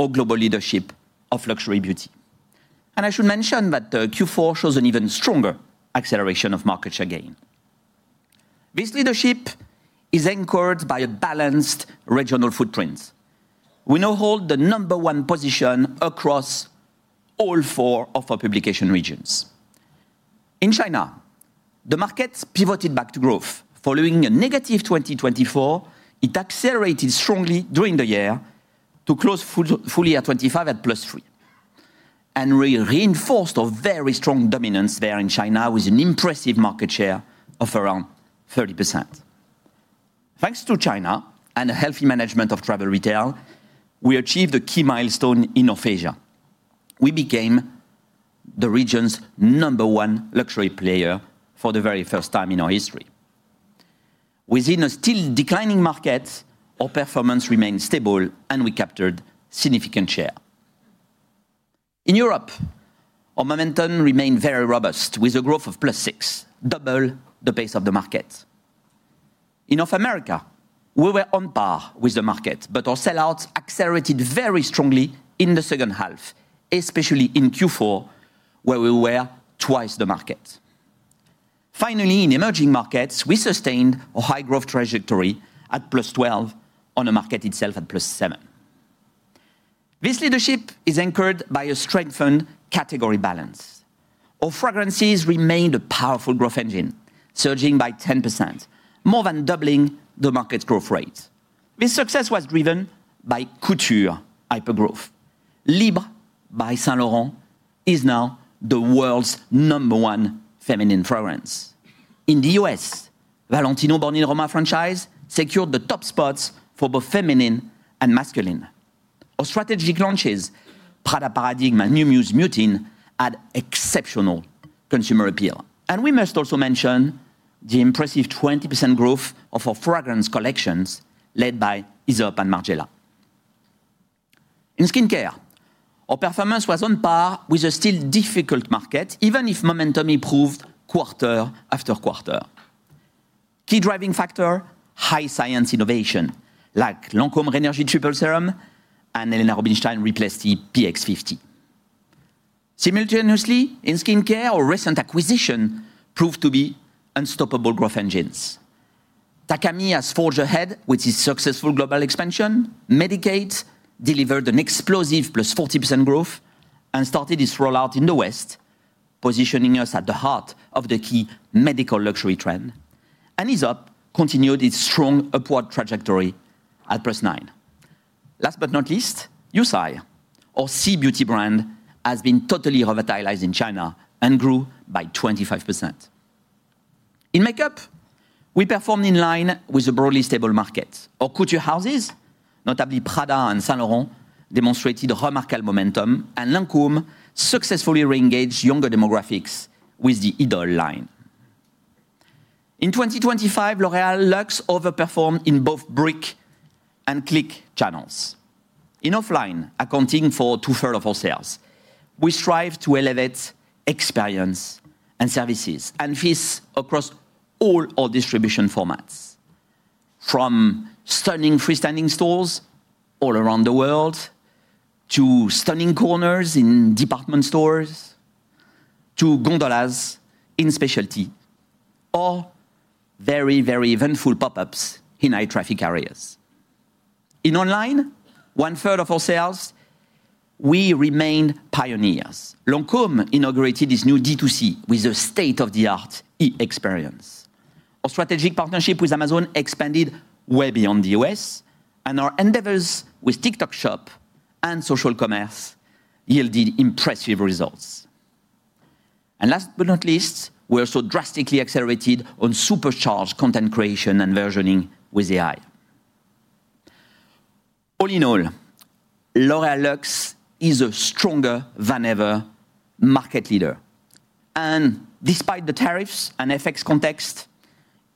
our global leadership of luxury beauty.... And I should mention that, Q4 shows an even stronger acceleration of market share gain. This leadership is anchored by a balanced regional footprint. We now hold the number one position across all four of our geographic regions. In China, the market's pivoted back to growth. Following a negative 2024, it accelerated strongly during the year to close fully at 25 at +3%, and reinforced our very strong dominance there in China, with an impressive market share of around 30%. Thanks to China and a healthy management of travel retail, we achieved a key milestone in North Asia. We became the region's number one luxury player for the very first time in our history. Within a still declining market, our performance remained stable, and we captured significant share. In Europe, our momentum remained very robust, with a growth of +6%, double the pace of the market. In North America, we were on par with the market, but our sell-outs accelerated very strongly in the second half, especially in Q4, where we were twice the market. Finally, in emerging markets, we sustained a high growth trajectory at +12% on a market itself at +7%. This leadership is anchored by a strengthened category balance. Our fragrances remained a powerful growth engine, surging by 10%, more than doubling the market's growth rate. This success was driven by couture hypergrowth. Libre by Saint Laurent is now the world's number one feminine fragrance. In the U.S., Valentino Born in Roma franchise secured the top spots for both feminine and masculine. Our strategic launches, Prada Paradoxe, Miu Miu's Mutin, had exceptional consumer appeal. And we must also mention the impressive 20% growth of our fragrance collections, led by Aesop and Margiela. In skincare, our performance was on par with a still difficult market, even if momentum improved quarter after quarter. Key driving factor, high-science innovation, like Lancôme Rénergie Triple Serum and Helena Rubinstein Re-Plasty PX50. Simultaneously, in skincare, our recent acquisitions proved to be unstoppable growth engines. Takami has forged ahead with its successful global expansion. Medik8 delivered an explosive +40% growth and started its rollout in the West, positioning us at the heart of the key medical luxury trend. Aesop continued its strong upward trajectory at +9%. Last but not least, Yue Sai, our Chinese beauty brand, has been totally revitalized in China and grew by 25%. In makeup, we performed in line with the broadly stable market. Our couture houses, notably Prada and Saint Laurent, demonstrated remarkable momentum, and Lancôme successfully re-engaged younger demographics with the Idôle line. In 2025, L'Oréal Luxe overperformed in both brick and click channels. In offline, accounting for two-thirds of our sales, we strive to elevate experience and services, and this across all our distribution formats, from stunning freestanding stores all around the world, to stunning corners in department stores, to gondolas in specialty, or very, very eventful pop-ups in high-traffic areas. In online, one-third of our sales, we remained pioneers. Lancôme inaugurated its new D2C with a state-of-the-art e-experience. Our strategic partnership with Amazon expanded way beyond the U.S., and our endeavors with TikTok Shop and social commerce yielded impressive results. And last but not least, we're also drastically accelerated on supercharged content creation and versioning with AI. All in all, L'Oréal Luxe is a stronger than ever market leader, and despite the tariffs and FX context,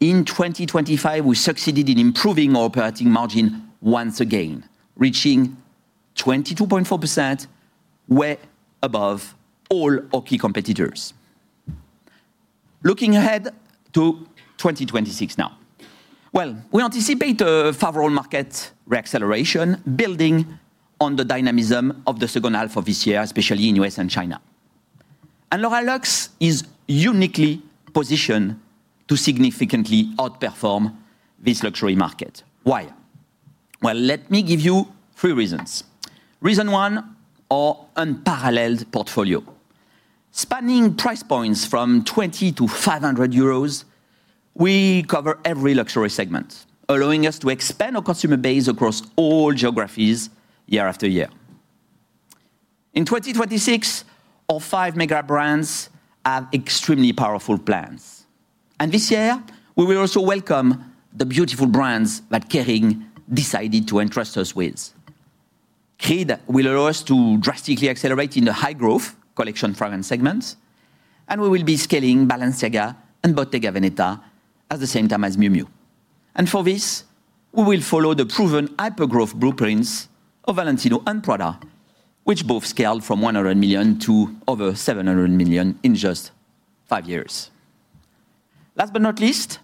in 2025, we succeeded in improving our operating margin once again, reaching 22.4%, way above all our key competitors. Looking ahead to 2026 now. Well, we anticipate a favorable market reacceleration, building on the dynamism of the second half of this year, especially in U.S. and China. And L'Oréal Luxe is uniquely positioned to significantly outperform this luxury market. Why? Well, let me give you three reasons. Reason one, our unparalleled portfolio. Spanning price points from 20-500 euros, we cover every luxury segment, allowing us to expand our consumer base across all geographies year after year. In 2026, our five mega brands have extremely powerful plans, and this year, we will also welcome the beautiful brands that Kering decided to entrust us with. Creed will allow us to drastically accelerate in the high-growth collection fragrance segment, and we will be scaling Balenciaga and Bottega Veneta at the same time as Miu Miu. And for this, we will follow the proven hypergrowth blueprints of Valentino and Prada, which both scaled from 100 million to over 700 million in just five years.... Last but not least,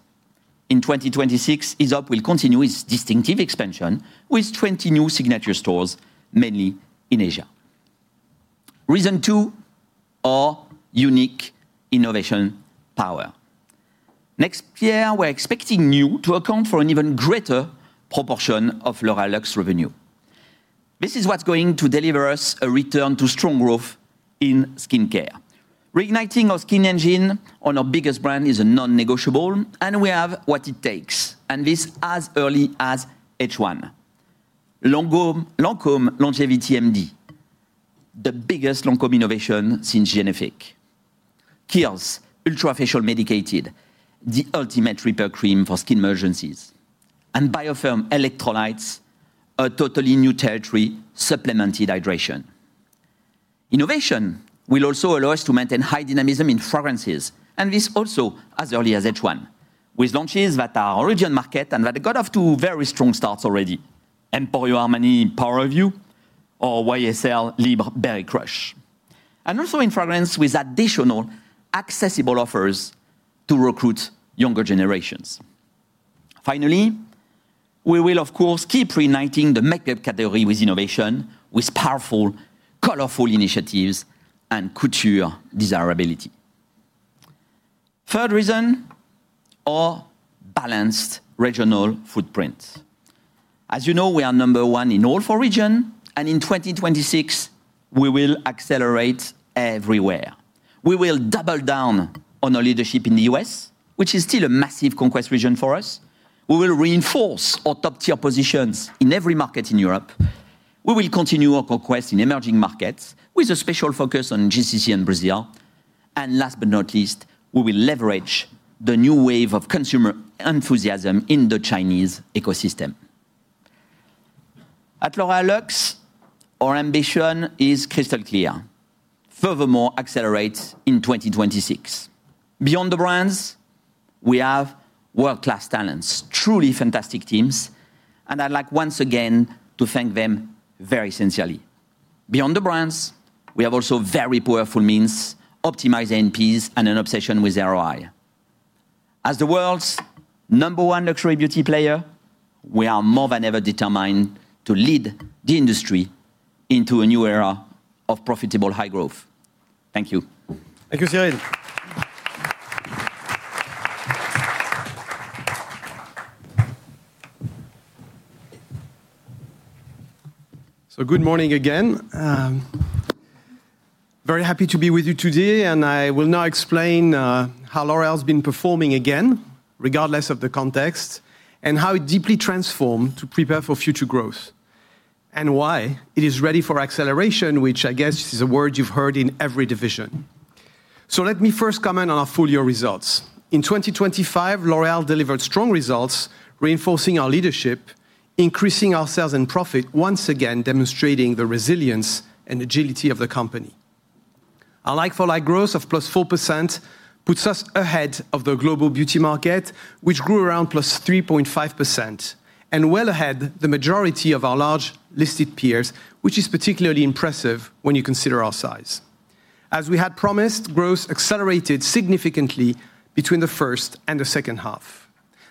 in 2026, Aesop will continue its distinctive expansion with 20 new signature stores, mainly in Asia. Reason two: our unique innovation power. Next year, we're expecting new to account for an even greater proportion of L'Oréal Luxe revenue. This is what's going to deliver us a return to strong growth in skincare. Reigniting our skin engine on our biggest brand is a non-negotiable, and we have what it takes, and this as early as H1. Lancôme Longevity MD, the biggest Lancôme innovation since Génifique. Kiehl's Ultra Facial Medicated, the ultimate repair cream for skin emergencies, and Biotherm Electrolytes, a totally new territory, supplemented hydration. Innovation will also allow us to maintain high dynamism in fragrances, and this also as early as H1, with launches that are origin market and that got off to very strong starts already. Emporio Armani Power of You or YSL Libre Berry Crush. And also in fragrance with additional accessible offers to recruit younger generations. Finally, we will, of course, keep reigniting the makeup category with innovation, with powerful, colorful initiatives and couture desirability. Third reason: our balanced regional footprint. As you know, we are number one in all four regions, and in 2026 we will accelerate everywhere. We will double down on our leadership in the U.S., which is still a massive conquest region for us. We will reinforce our top-tier positions in every market in Europe. We will continue our conquest in emerging markets, with a special focus on GCC and Brazil. And last but not least, we will leverage the new wave of consumer enthusiasm in the Chinese ecosystem. At L'Oréal Luxe, our ambition is crystal clear: furthermore, accelerate in 2026. Beyond the brands, we have world-class talents, truly fantastic teams, and I'd like once again to thank them very sincerely. Beyond the brands, we have also very powerful means, optimized NPs and an obsession with ROI. As the world's number one luxury beauty player, we are more than ever determined to lead the industry into a new era of profitable high growth. Thank you. Thank you, Cyril. Good morning again. Very happy to be with you today, and I will now explain how L'Oréal's been performing again, regardless of the context, and how it deeply transformed to prepare for future growth, and why it is ready for acceleration, which I guess is a word you've heard in every division. Let me first comment on our full-year results. In 2025, L'Oréal delivered strong results, reinforcing our leadership, increasing our sales and profit, once again demonstrating the resilience and agility of the company. Our like-for-like growth of +4% puts us ahead of the global beauty market, which grew around +3.5%, and well ahead of the majority of our large listed peers, which is particularly impressive when you consider our size. As we had promised, growth accelerated significantly between the first and the second half.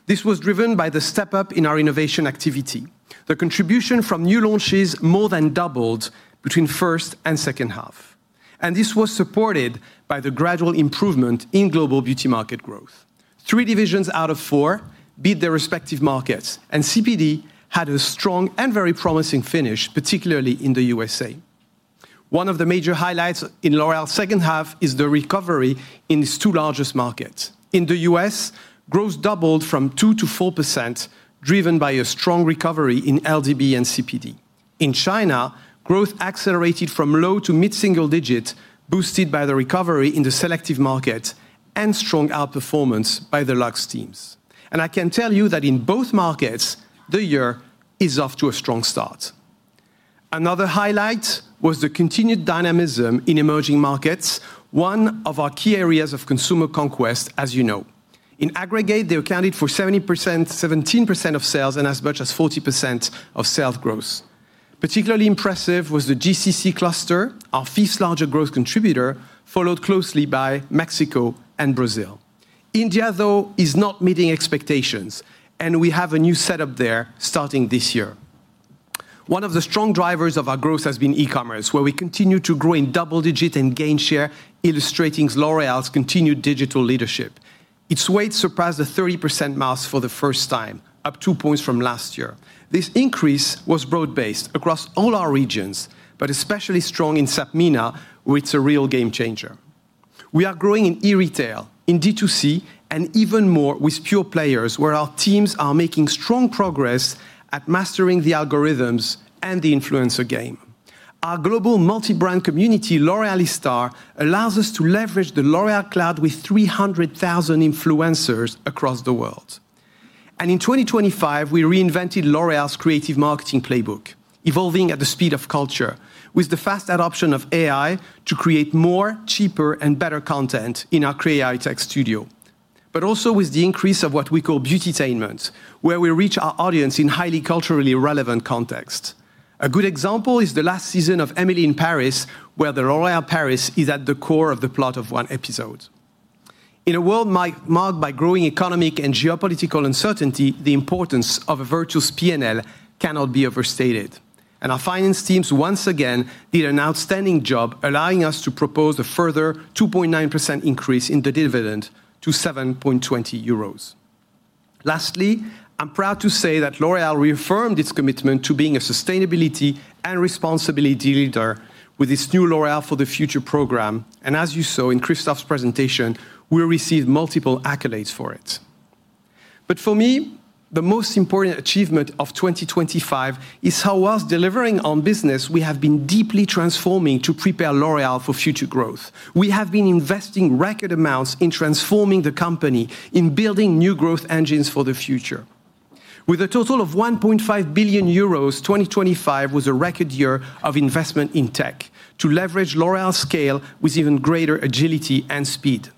This was driven by the step-up in our innovation activity. The contribution from new launches more than doubled between first and second half, and this was supported by the gradual improvement in global beauty market growth. three divisions out of four beat their respective markets, and CPD had a strong and very promising finish, particularly in. the U.S. One of the major highlights in L'Oréal second half is the recovery in its two largest markets. In the U.S., growth doubled from 2%-4%, driven by a strong recovery in LDB and CPD. In China, growth accelerated from low to mid-single digit, boosted by the recovery in the selective market and strong outperformance by the Luxe teams. I can tell you that in both markets, the year is off to a strong start. Another highlight was the continued dynamism in emerging markets, one of our key areas of consumer conquest, as you know. In aggregate, they accounted for 70%, 17% of sales and as much as 40% of sales growth. Particularly impressive was the GCC cluster, our fifth largest growth contributor, followed closely by Mexico and Brazil. India, though, is not meeting expectations, and we have a new set-up there starting this year. One of the strong drivers of our growth has been e-commerce, where we continue to grow in double-digit and gain share, illustrating L'Oréal's continued digital leadership. Its weight surpassed the 30% mark for the first time, up 2 points from last year. This increase was broad-based across all our regions, but especially strong in SAPMENA, where it's a real game changer. We are growing in e-retail, in D2C, and even more with pure players, where our teams are making strong progress at mastering the algorithms and the influencer game. Our global multi-brand community, L'Oréal Star, allows us to leverage the L'Oréal Cloud with 300,000 influencers across the world. In 2025, we reinvented L'Oréal's creative marketing playbook, evolving at the speed of culture, with the fast adoption of AI to create more, cheaper, and better content in our Create AI Tech Studio. But also with the increase of what we call beauty-tainment, where we reach our audience in highly culturally relevant context. A good example is the last season of Emily in Paris, where the L'Oréal Paris is at the core of the plot of one episode. In a world marked by growing economic and geopolitical uncertainty, the importance of a virtuous P&L cannot be overstated, and our finance teams once again did an outstanding job, allowing us to propose a further 2.9% increase in the dividend to 7.20 euros. Lastly, I'm proud to say that L'Oréal reaffirmed its commitment to being a sustainability and responsibility leader with its new L'Oréal For The Future program, and as you saw in Christophe's presentation, we received multiple accolades for it. But for me, the most important achievement of 2025 is how, while delivering on business, we have been deeply transforming to prepare L'Oréal for future growth. We have been investing record amounts in transforming the company, in building new growth engines for the future. With a total of 1.5 billion euros, 2025 was a record year of investment in tech to leverage L'Oréal's scale with even greater agility and speed.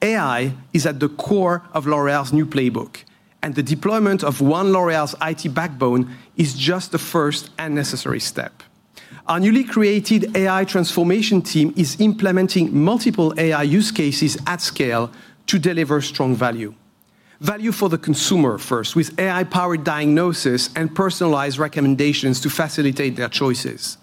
AI is at the core of L'Oréal's new playbook, and the deployment of One L'Oréal's IT backbone is just the first and necessary step. Our newly created AI transformation team is implementing multiple AI use cases at scale to deliver strong value. Value for the consumer first, with AI-powered diagnosis and personalized recommendations to facilitate their choices.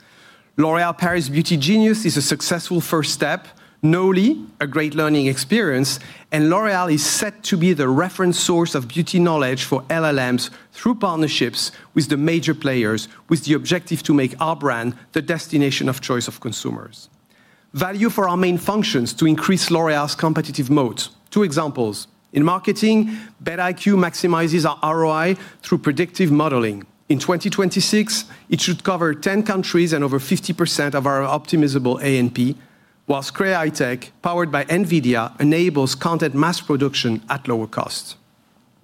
L'Oréal Paris Beauty Genius is a successful first step, not only, a great learning experience, and L'Oréal is set to be the reference source of beauty knowledge for LLMs through partnerships with the major players, with the objective to make our brand the destination of choice of consumers. Value for our main functions to increase L'Oréal's competitive moat. Two examples: in marketing, BET IQ maximizes our ROI through predictive modeling. In 2026, it should cover 10 countries and over 50% of our optimizable A&P, while CREATECH, powered by NVIDIA, enables content mass production at lower costs.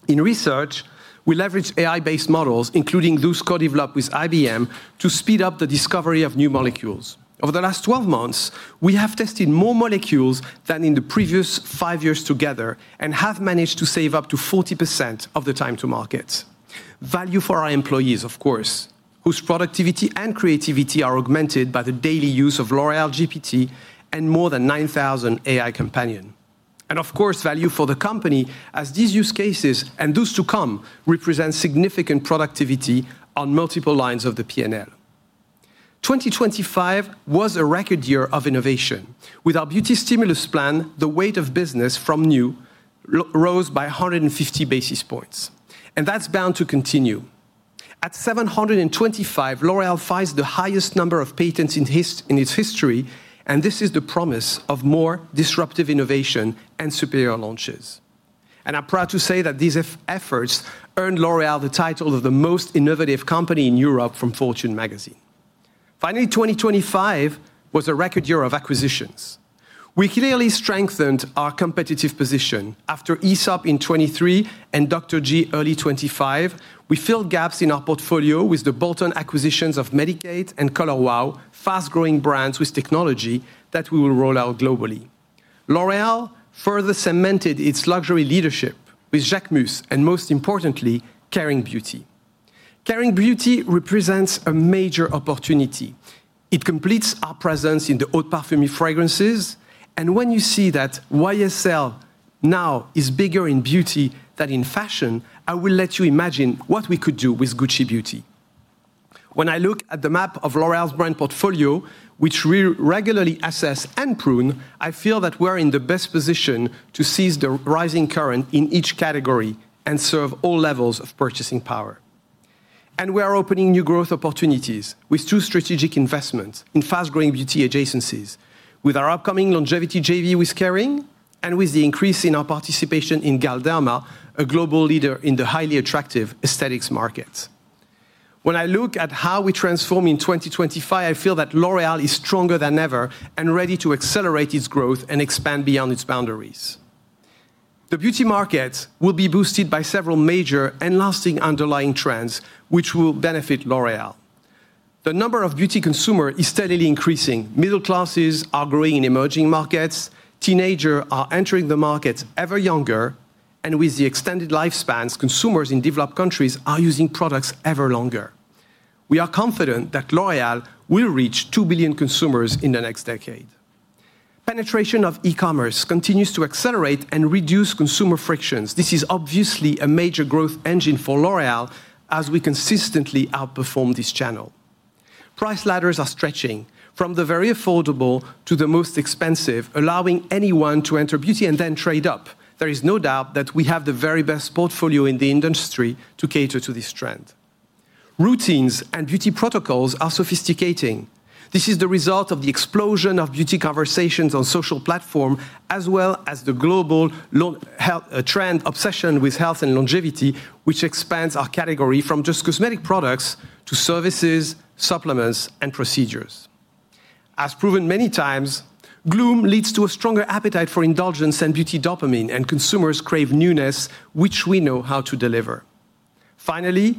In research, we leverage AI-based models, including those co-developed with IBM, to speed up the discovery of new molecules. Over the last 12 months, we have tested more molecules than in the previous five years together and have managed to save up to 40% of the time to market. Value for our employees, of course, whose productivity and creativity are augmented by the daily use of L'Oréal GPT and more than 9,000 AI companion. And of course, value for the company, as these use cases and those to come represent significant productivity on multiple lines of the P&L. 2025 was a record year of innovation. With our Beauty Stimulus Plan, the weight of business from new rose by 150 basis points, and that's bound to continue. At 725, L'Oréal filed the highest number of patents in its history, and this is the promise of more disruptive innovation and superior launches. And I'm proud to say that these efforts earned L'Oréal the title of the most innovative company in Europe from Fortune Magazine. Finally, 2025 was a record year of acquisitions. We clearly strengthened our competitive position after Aesop in 2023 and Dr.G early 2025, we filled gaps in our portfolio with the bolt-on acquisitions of Medik8 and Color Wow, fast-growing brands with technology that we will roll out globally. L'Oréal further cemented its luxury leadership with Jacquemus, and most importantly, Kering Beauty. Kering Beauty represents a major opportunity. It completes our presence in the eau de parfum fragrances, and when you see that YSL now is bigger in beauty than in fashion, I will let you imagine what we could do with Gucci Beauty. When I look at the map of L'Oréal's brand portfolio, which we regularly assess and prune, I feel that we're in the best position to seize the rising current in each category and serve all levels of purchasing power. We are opening new growth opportunities with two strategic investments in fast-growing beauty adjacencies, with our upcoming longevity JV with Kering and with the increase in our participation in Galderma, a global leader in the highly attractive aesthetics market. When I look at how we transform in 2025, I feel that L'Oréal is stronger than ever and ready to accelerate its growth and expand beyond its boundaries. The beauty market will be boosted by several major and lasting underlying trends, which will benefit L'Oréal. The number of beauty consumers is steadily increasing. Middle classes are growing in emerging markets, teenagers are entering the market ever younger, and with the extended lifespans, consumers in developed countries are using products ever longer. We are confident that L'Oréal will reach 2 billion consumers in the next decade. Penetration of e-commerce continues to accelerate and reduce consumer frictions. This is obviously a major growth engine for L'Oréal as we consistently outperform this channel. Price ladders are stretching from the very affordable to the most expensive, allowing anyone to enter beauty and then trade up. There is no doubt that we have the very best portfolio in the industry to cater to this trend. Routines and beauty protocols are sophisticating. This is the result of the explosion of beauty conversations on social platform, as well as the global longevity health trend, obsession with health and longevity, which expands our category from just cosmetic products to services, supplements, and procedures. As proven many times, gloom leads to a stronger appetite for indulgence and beauty dopamine, and consumers crave newness, which we know how to deliver. Finally,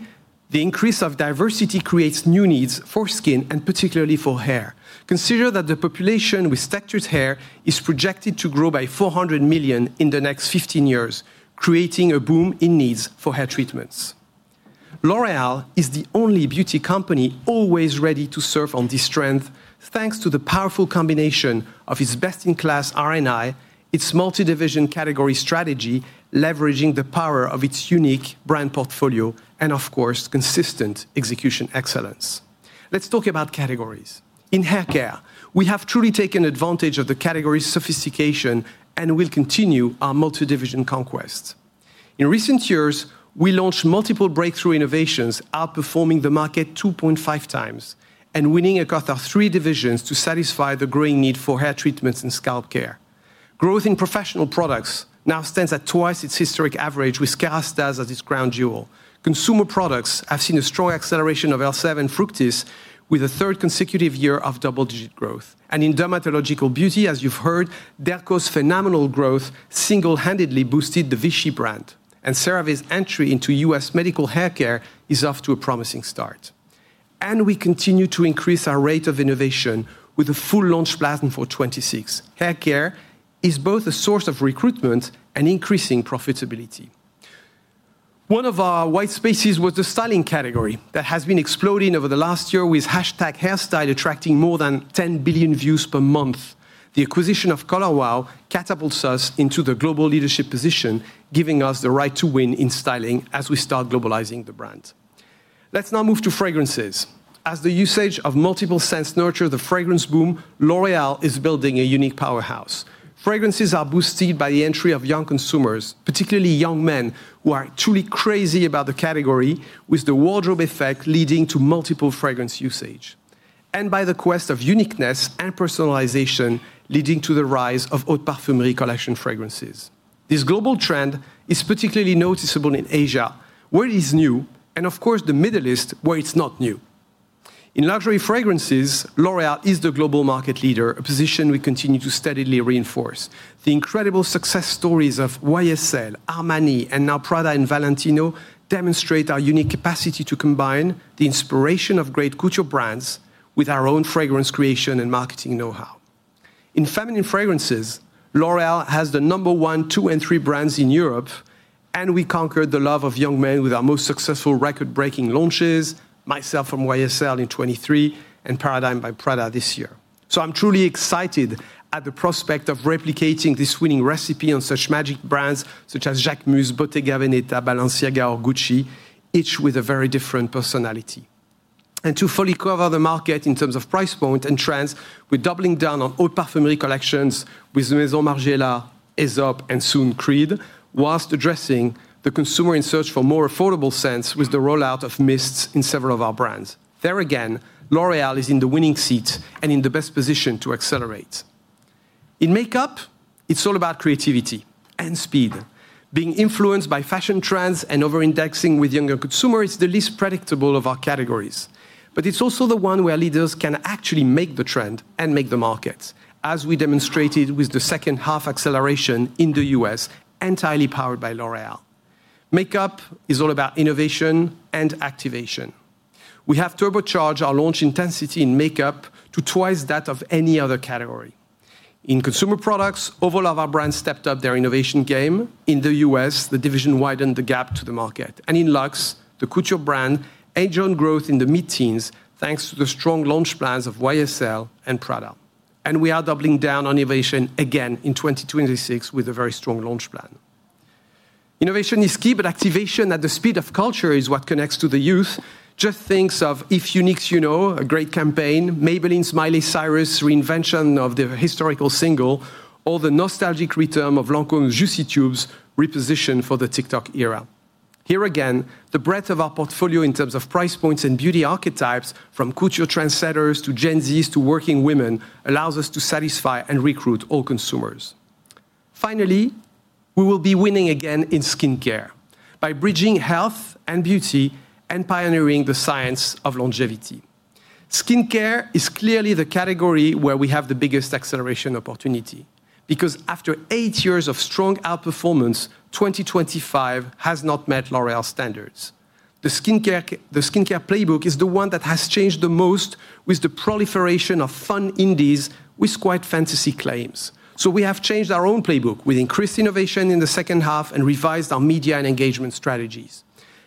the increase of diversity creates new needs for skin and particularly for hair. Consider that the population with textured hair is projected to grow by 400 million in the next 15 years, creating a boom in needs for hair treatments. L'Oréal is the only beauty company always ready to surf on this strength, thanks to the powerful combination of its best-in-class R&I, its multi-division category strategy, leveraging the power of its unique brand portfolio, and of course, consistent execution excellence. Let's talk about categories. In haircare, we have truly taken advantage of the category's sophistication and will continue our multi-division conquest. In recent years, we launched multiple breakthrough innovations, outperforming the market 2.5x and winning across our three divisions to satisfy the growing need for hair treatments and scalp care. Growth in professional products now stands at twice its historic average, with Kérastase as its crown jewel. Consumer products have seen a strong acceleration of Elvive and Fructis, with a third consecutive year of double-digit growth. And in dermatological beauty, as you've heard, Dercos' phenomenal growth single-handedly boosted the Vichy brand, and CeraVe's entry into U.S. medical haircare is off to a promising start. And we continue to increase our rate of innovation with a full launch plan for 2026. Haircare is both a source of recruitment and increasing profitability. One of our white spaces was the styling category that has been exploding over the last year, with #hairstyle attracting more than 10 billion views per month. The acquisition of Color Wow catapults us into the global leadership position, giving us the right to win in styling as we start globalizing the brand. Let's now move to fragrances. As the usage of multiple scents nurture the fragrance boom, L'Oréal is building a unique powerhouse. Fragrances are boosted by the entry of young consumers, particularly young men, who are truly crazy about the category, with the wardrobe effect leading to multiple fragrance usage, and by the quest of uniqueness and personalization, leading to the rise of eau de parfumerie collection fragrances. This global trend is particularly noticeable in Asia, where it is new, and of course, the Middle East, where it's not new. In luxury fragrances, L'Oréal is the global market leader, a position we continue to steadily reinforce. The incredible success stories of YSL, Armani, and now Prada and Valentino demonstrate our unique capacity to combine the inspiration of great couture brands with our own fragrance creation and marketing know-how. In feminine fragrances, L'Oréal has the number one, two, and three brands in Europe, and we conquered the love of young men with our most successful record-breaking launches, MYSLF from YSL in 2023 and Paradoxe by Prada this year. So I'm truly excited at the prospect of replicating this winning recipe on such magic brands such as Jacquemus, Bottega Veneta, Balenciaga or Gucci, each with a very different personality. To fully cover the market in terms of price point and trends, we're doubling down on eau de parfum collections with Maison Margiela, Aesop, and soon Creed, while addressing the consumer in search for more affordable scents with the rollout of mists in several of our brands. There again, L'Oréal is in the winning seat and in the best position to accelerate. In makeup, it's all about creativity and speed. Being influenced by fashion trends and over-indexing with younger consumers is the least predictable of our categories, but it's also the one where leaders can actually make the trend and make the market, as we demonstrated with the second half acceleration in the U.S., entirely powered by L'Oréal. Makeup is all about innovation and activation. We have turbocharged our launch intensity in makeup to twice that of any other category. In consumer products, all of our brands stepped up their innovation game. In the U.S., the division widened the gap to the market. In Luxe, the couture brand, agile growth in the mid-teens, thanks to the strong launch plans of YSL and Prada. We are doubling down on innovation again in 2026 with a very strong launch plan. Innovation is key, but activation at the speed of culture is what connects to the youth. Just think of If You Know, You Know, a great campaign, Maybelline's Miley Cyrus reinvention of the historical single, or the nostalgic return of Lancôme's Juicy Tubes, repositioned for the TikTok era. Here again, the breadth of our portfolio in terms of price points and beauty archetypes, from couture trendsetters to Gen Zs to working women, allows us to satisfy and recruit all consumers. Finally, we will be winning again in skincare by bridging health and beauty and pioneering the science of longevity. Skincare is clearly the category where we have the biggest acceleration opportunity, because after eight years of strong outperformance, 2025 has not met L'Oréal standards. The skincare, the skincare playbook is the one that has changed the most with the proliferation of fun indies with quite fantasy claims. So we have changed our own playbook. We increased innovation in the second half and revised our media and engagement strategies.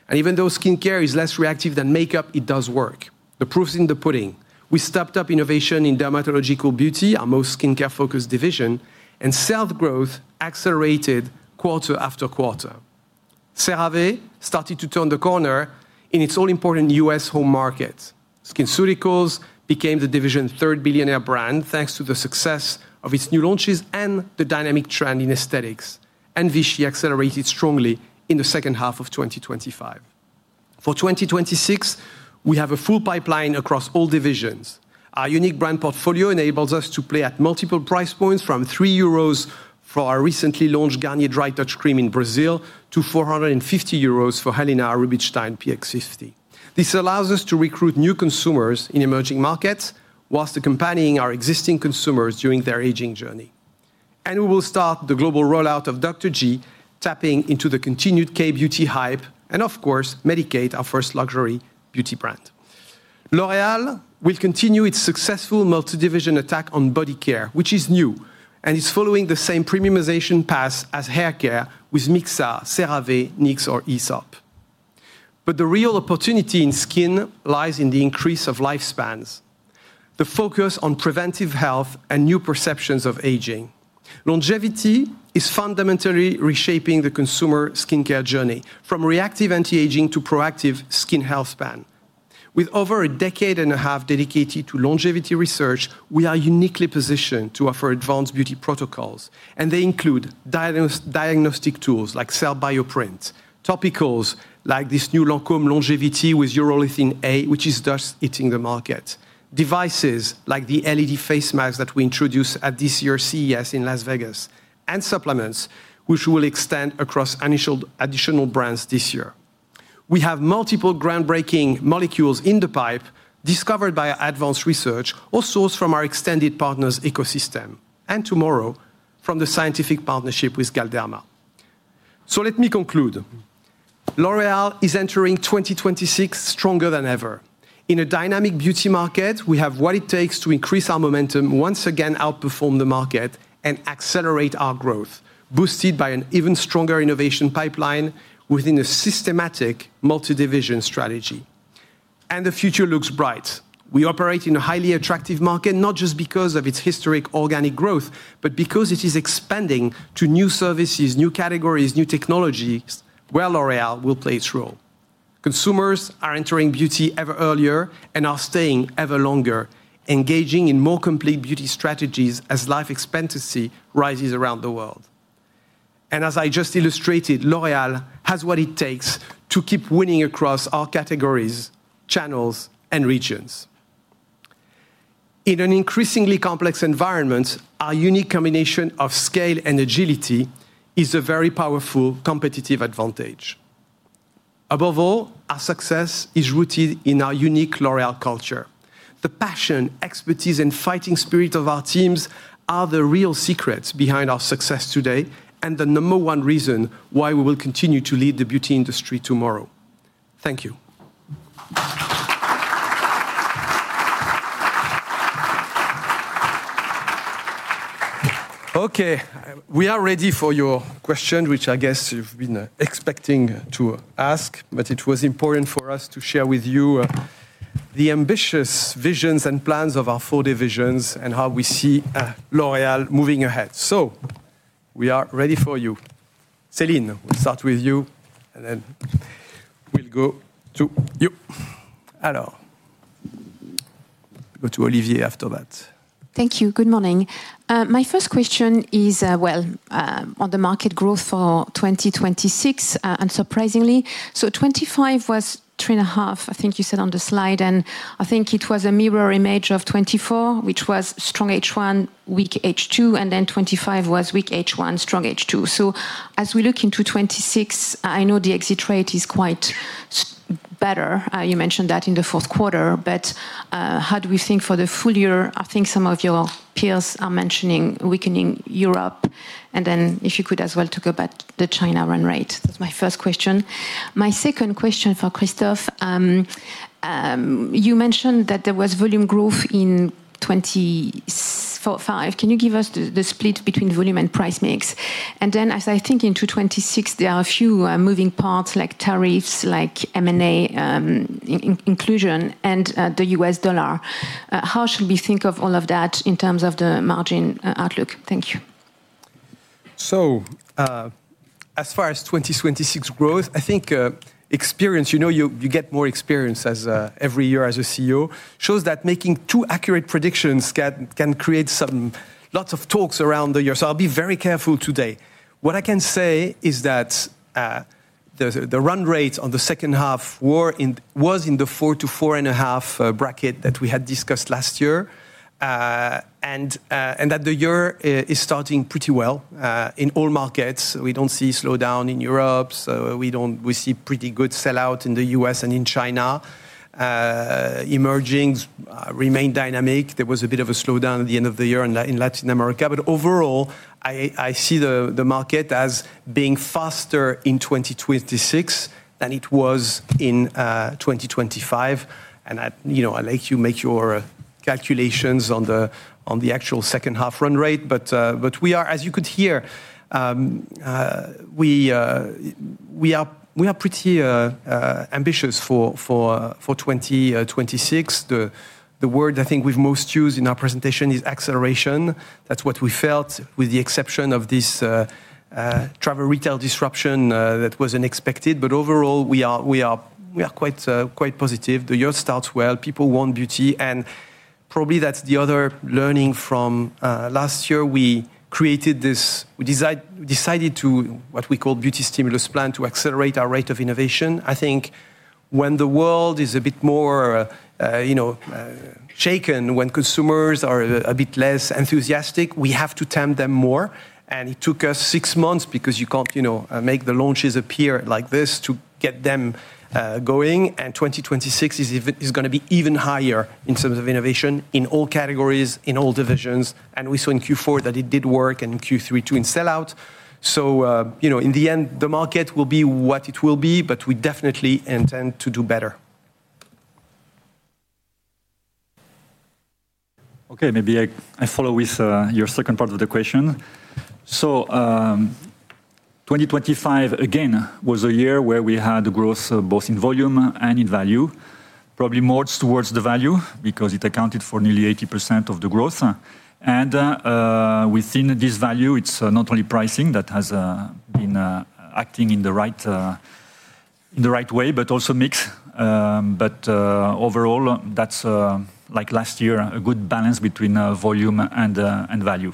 And even though skincare is less reactive than makeup, it does work. The proof is in the pudding. We stepped up innovation in Dermatological Beauty, our most skincare-focused division, and sales growth accelerated quarter after quarter. CeraVe started to turn the corner in its all-important U.S. home market. SkinCeuticals became the division's third billionaire brand, thanks to the success of its new launches and the dynamic trend in aesthetics, and Vichy accelerated strongly in the second half of 2025. For 2026, we have a full pipeline across all divisions. Our unique brand portfolio enables us to play at multiple price points, from 3 euros for our recently launched Garnier Dry Touch Cream in Brazil, to 450 euros for Helena Rubinstein PX50. This allows us to recruit new consumers in emerging markets while accompanying our existing consumers during their aging journey. We will start the global rollout of Dr.G, tapping into the continued K-beauty hype and, of course, Medik8, our first luxury beauty brand... L'Oréal will continue its successful multi-division attack on body care, which is new, and is following the same premiumization path as hair care with Mixa, CeraVe, NYX, or Aesop. But the real opportunity in skin lies in the increase of lifespans, the focus on preventive health, and new perceptions of aging. Longevity is fundamentally reshaping the consumer skincare journey, from reactive anti-aging to proactive skin health span. With over a decade and a half dedicated to longevity research, we are uniquely positioned to offer advanced beauty protocols, and they include diagnostic tools like cell bioprint, topicals, like this new Lancôme Longevity with urolithin A, which is just hitting the market, devices like the LED face masks that we introduced at this year's CES in Las Vegas, and supplements, which we will extend across additional brands this year. We have multiple groundbreaking molecules in the pipe discovered by our advanced research, or sourced from our extended partners' ecosystem, and tomorrow, from the scientific partnership with Galderma. So let me conclude. L'Oréal is entering 2026 stronger than ever. In a dynamic beauty market, we have what it takes to increase our momentum, once again, outperform the market, and accelerate our growth, boosted by an even stronger innovation pipeline within a systematic multi-division strategy. The future looks bright. We operate in a highly attractive market, not just because of its historic organic growth, but because it is expanding to new services, new categories, new technologies, where L'Oréal will play its role. Consumers are entering beauty ever earlier and are staying ever longer, engaging in more complete beauty strategies as life expectancy rises around the world. As I just illustrated, L'Oréal has what it takes to keep winning across all categories, channels, and regions. In an increasingly complex environment, our unique combination of scale and agility is a very powerful competitive advantage. Above all, our success is rooted in our unique L'Oréal culture. The passion, expertise, and fighting spirit of our teams are the real secrets behind our success today, and the number one reason why we will continue to lead the beauty industry tomorrow. Thank you. Okay, we are ready for your question, which I guess you've been expecting to ask, but it was important for us to share with you the ambitious visions and plans of our four divisions and how we see L'Oréal moving ahead. So we are ready for you. Céline, we'll start with you, and then we'll go to you. Hello. Go to Olivier after that. Thank you. Good morning. My first question is, well, on the market growth for 2026, and surprisingly, so 2025 was 3.5, I think you said on the slide, and I think it was a mirror image of 2024, which was strong H1, weak H2, and then 2025 was weak H1, strong H2. So as we look into 2026, I know the exit rate is quite better. You mentioned that in the fourth quarter, but, how do we think for the full year? I think some of your peers are mentioning weakening Europe, and then if you could as well talk about the China run rate. That's my first question. My second question for Christophe, you mentioned that there was volume growth in 2024-2025. Can you give us the, the split between volume and price mix? As I think into 2026, there are a few moving parts like tariffs, like M&A, inflation, and the U.S. dollar. How should we think of all of that in terms of the margin outlook? Thank you. So, as far as 2026 growth, I think, experience, you know, you get more experience as a-- every year as a CEO, shows that making two accurate predictions can create some lots of talks around the year. So I'll be very careful today. What I can say is that, the run rate on the second half was in the 4-4.5 bracket that we had discussed last year, and that the year is starting pretty well, in all markets. We don't see a slowdown in Europe, so we don't... We see pretty good sell-out in the U.S. and in China. Emergings remained dynamic. There was a bit of a slowdown at the end of the year in Latin America, but overall, I see the market as being faster in 2026 than it was in 2025. And you know, I'll let you make your calculations on the actual second half run rate, but we are—as you could hear, we are pretty ambitious for 2026. The word I think we've most used in our presentation is acceleration. That's what we felt, with the exception of this travel retail disruption that was unexpected. But overall, we are quite positive. The year starts well. People want beauty, and probably that's the other learning from last year. We created this—we decided to what we call Beauty Stimulus Plan to accelerate our rate of innovation. I think when the world is a bit more, you know, shaken, when consumers are a bit less enthusiastic, we have to tempt them more. And it took us six months because you can't, you know, make the launches appear like this to get them going. And 2026 is gonna be even higher in terms of innovation in all categories, in all divisions. And we saw in Q4 that it did work, and in Q3, too, in sell-out. So, you know, in the end, the market will be what it will be, but we definitely intend to do better.... Okay, maybe I follow with your second part of the question. So, 2025, again, was a year where we had growth both in volume and in value. Probably more towards the value, because it accounted for nearly 80% of the growth. And, within this value, it's not only pricing that has been acting in the right, in the right way, but also mix. But, overall, that's, like last year, a good balance between volume and and value.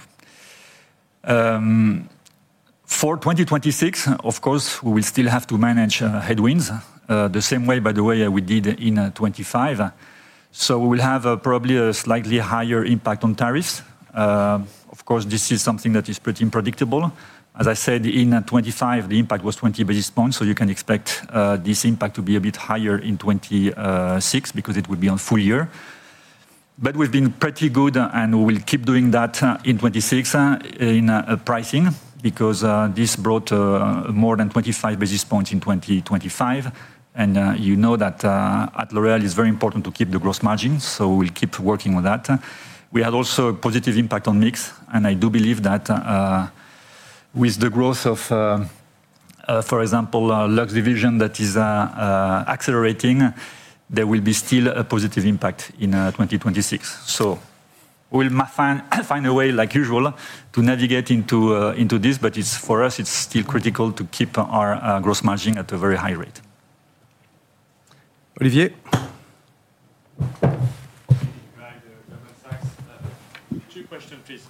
For 2026, of course, we will still have to manage headwinds, the same way, by the way, we did in 2025. So we will have a probably a slightly higher impact on tariffs. Of course, this is something that is pretty unpredictable. As I said, in 2025, the impact was 20 basis points, so you can expect this impact to be a bit higher in 2026, because it would be on full year. But we've been pretty good, and we will keep doing that in 2026 in pricing, because this brought more than 25 basis points in 2025. You know that at L'Oréal, it's very important to keep the growth margins, so we'll keep working on that. We had also a positive impact on mix, and I do believe that with the growth of, for example, our Luxe Division that is accelerating, there will be still a positive impact in 2026. So we'll find a way, like usual, to navigate into this, but it's for us, it's still critical to keep our growth margin at a very high rate. Olivier?... Goldman Sachs. Two questions, please.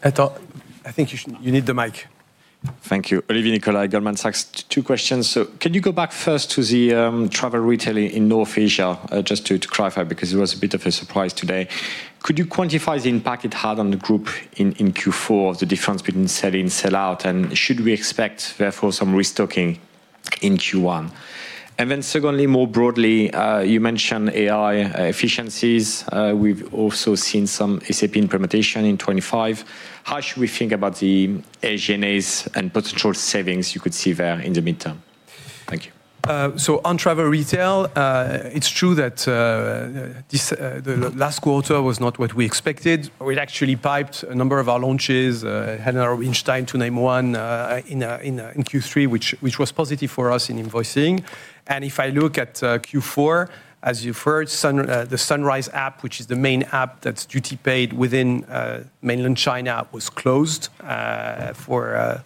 I think you need the mic. Thank you. Olivier Nicolai, Goldman Sachs. Two questions: so can you go back first to the travel retailing in North Asia, just to clarify, because it was a bit of a surprise today. Could you quantify the impact it had on the group in Q4, the difference between sell-in, sell-out? And should we expect, therefore, some restocking in Q1? And then secondly, more broadly, you mentioned AI efficiencies. We've also seen some SAP implementation in 2025. How should we think about the SG&As and potential savings you could see there in the midterm? Thank you. So on travel retail, it's true that this, the last quarter was not what we expected. We'd actually piped a number of our launches, Helena Rubinstein, to name one, in Q3, which was positive for us in invoicing. And if I look at Q4, as you've heard, the Sunrise app, which is the main app that's duty paid within mainland China, was closed for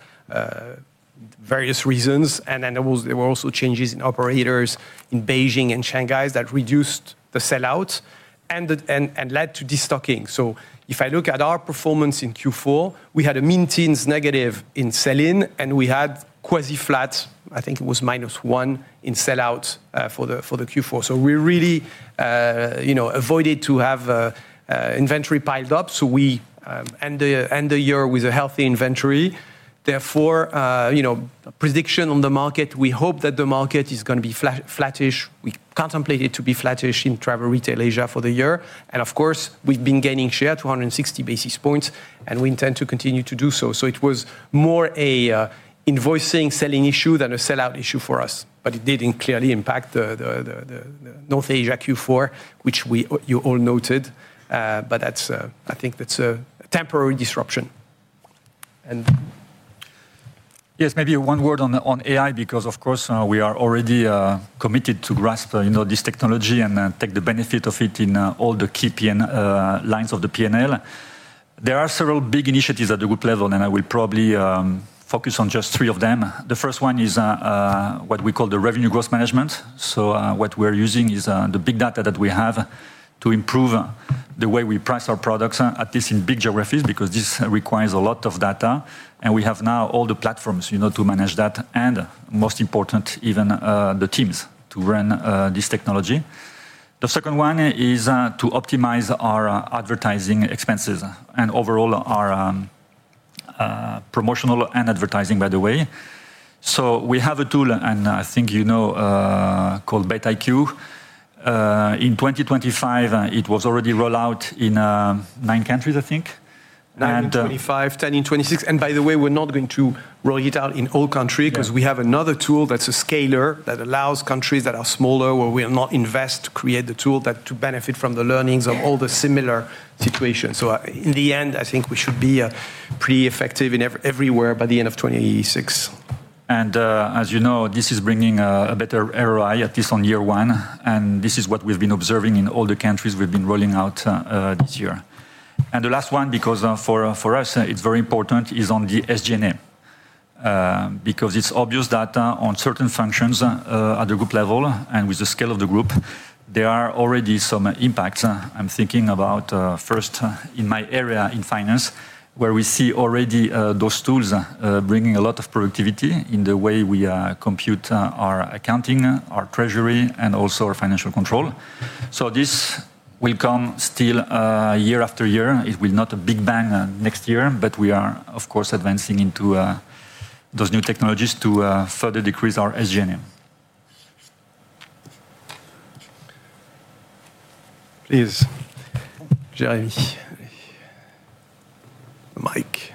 various reasons. And then there were also changes in operators in Beijing and Shanghai that reduced the sell-out and the and led to de-stocking. So if I look at our performance in Q4, we had a mid-teens negative in sell-in, and we had quasi-flat, I think it was -1, in sell-out for the Q4. So we really, you know, avoided to have inventory piled up, so we end the year with a healthy inventory. Therefore, you know, prediction on the market, we hope that the market is gonna be flattish. We contemplate it to be flattish in travel retail Asia for the year. And of course, we've been gaining share, 260 basis points, and we intend to continue to do so. So it was more a invoicing, selling issue than a sell-out issue for us, but it did clearly impact the North Asia Q4, which you all noted. But that's, I think that's a temporary disruption. And- Yes, maybe one word on AI, because, of course, we are already committed to grasp, you know, this technology and take the benefit of it in all the key P&L lines. There are several big initiatives at the group level, and I will probably focus on just three of them. The first one is what we call the Revenue Growth Management. So, what we're using is the big data that we have to improve the way we price our products, at least in big geographies, because this requires a lot of data, and we have now all the platforms, you know, to manage that, and most important, even the teams to run this technology. The second one is to optimize our advertising expenses and overall our promotional and advertising, by the way. So we have a tool, and I think you know, called BET IQ. In 2025, it was already roll out in nine countries, I think, and- nine in 2025, 10 in 2026. By the way, we're not going to roll it out in all country- Yeah... because we have another tool that's a scaler, that allows countries that are smaller, where we will not invest, to create the tool that to benefit from the learnings- Yeah... of all the similar situations. So, in the end, I think we should be pretty effective in everywhere by the end of 2026. And, as you know, this is bringing a better ROI, at least on year one, and this is what we've been observing in all the countries we've been rolling out this year. And the last one, because for us it's very important, is on the SG&M. Because it's obvious that on certain functions at the group level and with the scale of the group, there are already some impacts. I'm thinking about first in my area in finance, where we see already those tools bringing a lot of productivity in the way we compute our accounting, our treasury, and also our financial control. So this will come still year after year. It will not a big bang next year, but we are, of course, advancing into those new technologies to further decrease our SG&M. Please, Jeremy. Mic....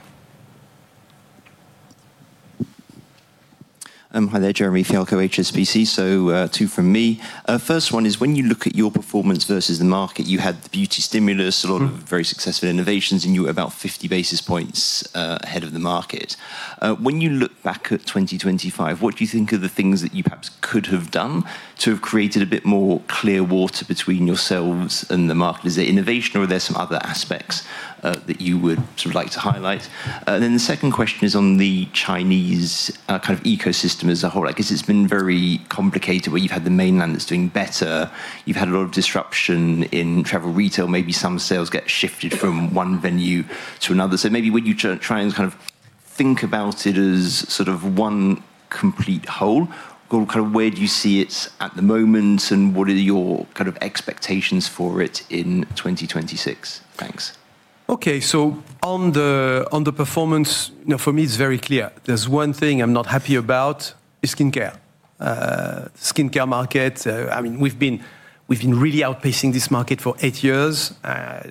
Hi there, Jeremy Fialko, HSBC. So, two from me. First one is when you look at your performance versus the market, you had the beauty stimulus- Mm. A lot of very successful innovations, and you were about 50 basis points ahead of the market. When you look back at 2025, what do you think are the things that you perhaps could have done to have created a bit more clear water between yourselves and the market? Is it innovation, or are there some other aspects that you would sort of like to highlight? Then the second question is on the Chinese ecosystem as a whole. I guess it's been very complicated, where you've had the mainland that's doing better. You've had a lot of disruption in travel retail, maybe some sales get shifted from one venue to another. So maybe would you try and kind of think about it as sort of one complete whole? Or kind of where do you see it at the moment, and what are your kind of expectations for it in 2026? Thanks. Okay, so on the performance, you know, for me, it's very clear. There's one thing I'm not happy about: skincare. Skincare market, I mean, we've been really outpacing this market for eight years.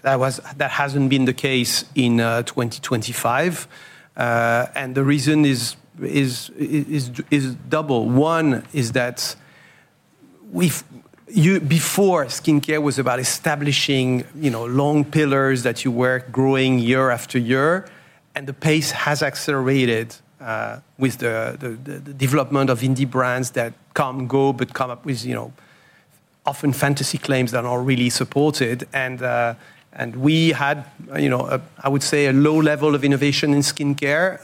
That was... That hasn't been the case in 2025. And the reason is double. One is that we've—before, skincare was about establishing, you know, long pillars that you were growing year after year, and the pace has accelerated with the development of indie brands that come and go, but come up with, you know, often fantasy claims that aren't really supported. And we had, you know, I would say, a low level of innovation in skincare,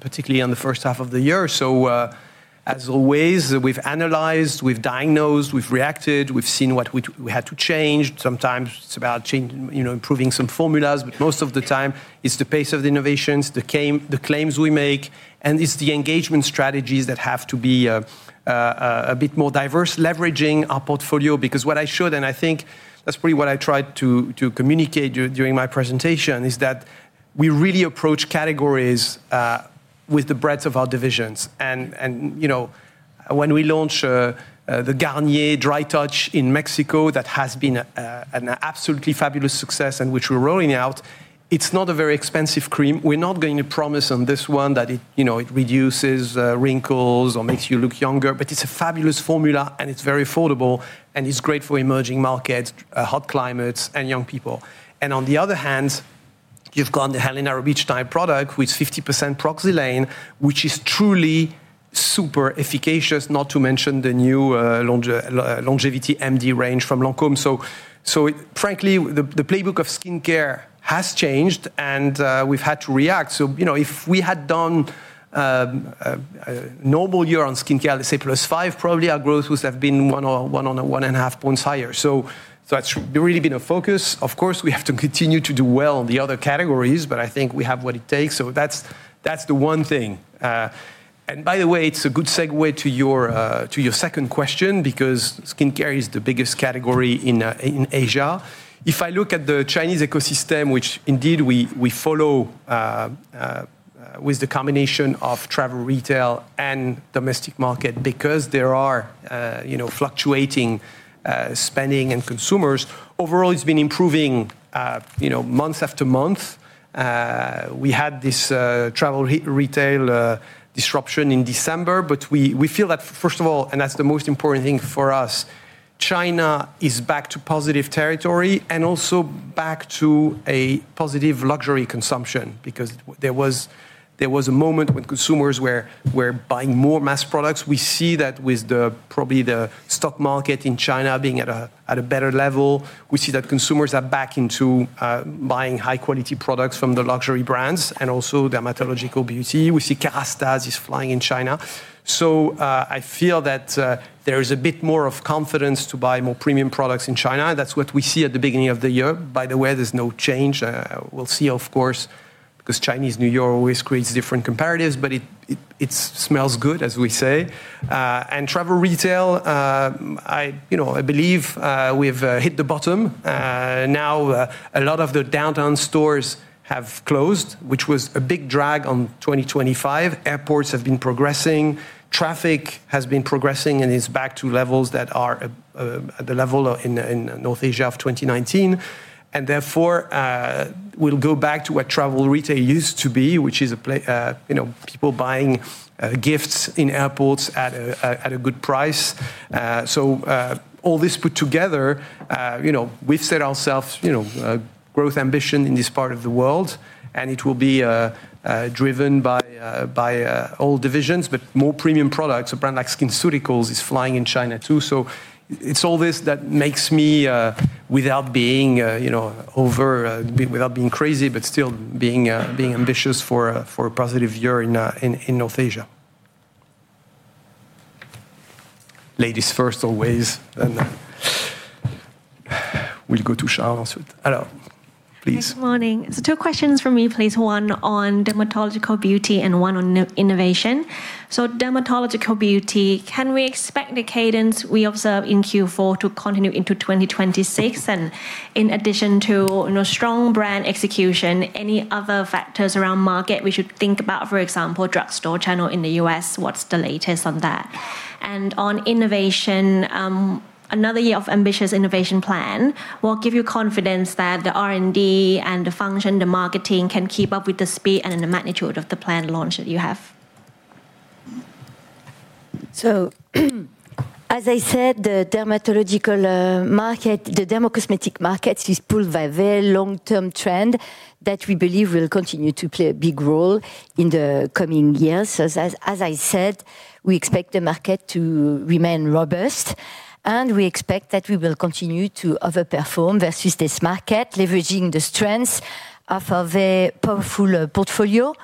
particularly on the first half of the year. As always, we've analyzed, we've diagnosed, we've reacted, we've seen what we, we had to change. Sometimes it's about changing, you know, improving some formulas, but most of the time it's the pace of the innovations, the claim, the claims we make, and it's the engagement strategies that have to be a bit more diverse, leveraging our portfolio. Because what I showed, and I think that's pretty what I tried to communicate during my presentation, is that we really approach categories with the breadth of our divisions. You know, when we launch the Garnier Dry Touch in Mexico, that has been an absolutely fabulous success and which we're rolling out; it's not a very expensive cream. We're not going to promise on this one that it, you know, it reduces wrinkles or makes you look younger, but it's a fabulous formula, and it's very affordable, and it's great for emerging markets, hot climates, and young people. On the other hand, you've got the Helena Rubinstein product, with 50% Pro-Xylane, which is truly super efficacious, not to mention the new Longevity MD range from Lancôme. So frankly, the playbook of skincare has changed, and we've had to react. So you know, if we had done a normal year on skincare, let's say +5, probably our growth would have been 1 or 1.5 points higher. So that's really been a focus. Of course, we have to continue to do well in the other categories, but I think we have what it takes. So that's, that's the one thing. And by the way, it's a good segue to your second question, because skincare is the biggest category in Asia. If I look at the Chinese ecosystem, which indeed we follow with the combination of travel retail and domestic market, because there are, you know, fluctuating spending and consumers, overall, it's been improving, you know, month after month. We had this travel retail disruption in December, but we feel that, first of all, and that's the most important thing for us, China is back to positive territory and also back to a positive luxury consumption, because there was a moment when consumers were buying more mass products. We see that with the probably the stock market in China being at a better level. We see that consumers are back into buying high-quality products from the luxury brands and also dermatological beauty. We see Kérastase flying in China. So, I feel that there is a bit more of confidence to buy more premium products in China. That's what we see at the beginning of the year. By the way, there's no change. We'll see, of course, because Chinese New Year always creates different comparatives, but it smells good, as we say. And travel retail, you know, I believe we've hit the bottom. Now, a lot of the downtown stores have closed, which was a big drag on 2025. Airports have been progressing, traffic has been progressing and is back to levels that are at the level of in North Asia of 2019, and therefore, we'll go back to what travel retail used to be, which is, you know, people buying gifts in airports at a good price. So, all this put together, you know, we've set ourselves, you know, a growth ambition in this part of the world, and it will be driven by all divisions, but more premium products. A brand like SkinCeuticals is flying in China, too. So it's all this that makes me, without being crazy, but still being ambitious for a positive year in North Asia. Ladies first, always, and then we'll go to Charles ensuite. Hello, please. Good morning. So two questions from me, please. One on Dermatological Beauty and one on new innovation. So Dermatological Beauty, can we expect the cadence we observe in Q4 to continue into 2026? And in addition to, you know, strong brand execution, any other factors around market we should think about, for example, drugstore channel in the U.S., what's the latest on that?... and on innovation, another year of ambitious innovation plan, what give you confidence that the R&D and the function, the marketing can keep up with the speed and the magnitude of the planned launch that you have? So as I said, the dermatological market, the dermocosmetic market is pulled by a very long-term trend that we believe will continue to play a big role in the coming years. As I said, we expect the market to remain robust, and we expect that we will continue to overperform versus this market, leveraging the strengths of our very powerful portfolio.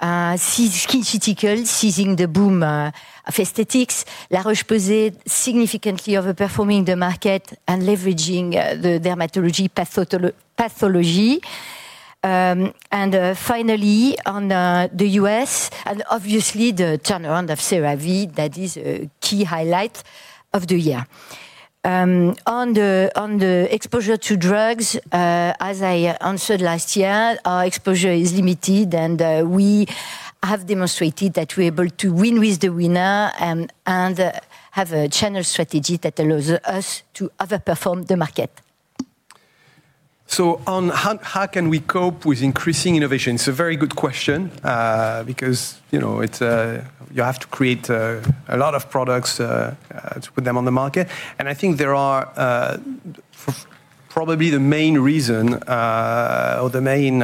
SkinCeuticals seizing the boom of aesthetics, La Roche-Posay significantly overperforming the market and leveraging the dermatology pathology. And finally, on the U.S., and obviously the turnaround of CeraVe, that is a key highlight of the year. On the exposure to drugs, as I answered last year, our exposure is limited, and we have demonstrated that we're able to win with the winner and have a channel strategy that allows us to overperform the market. So, how can we cope with increasing innovation? It's a very good question, because, you know, it's-- you have to create a lot of products to put them on the market. And I think there are... probably the main reason or the main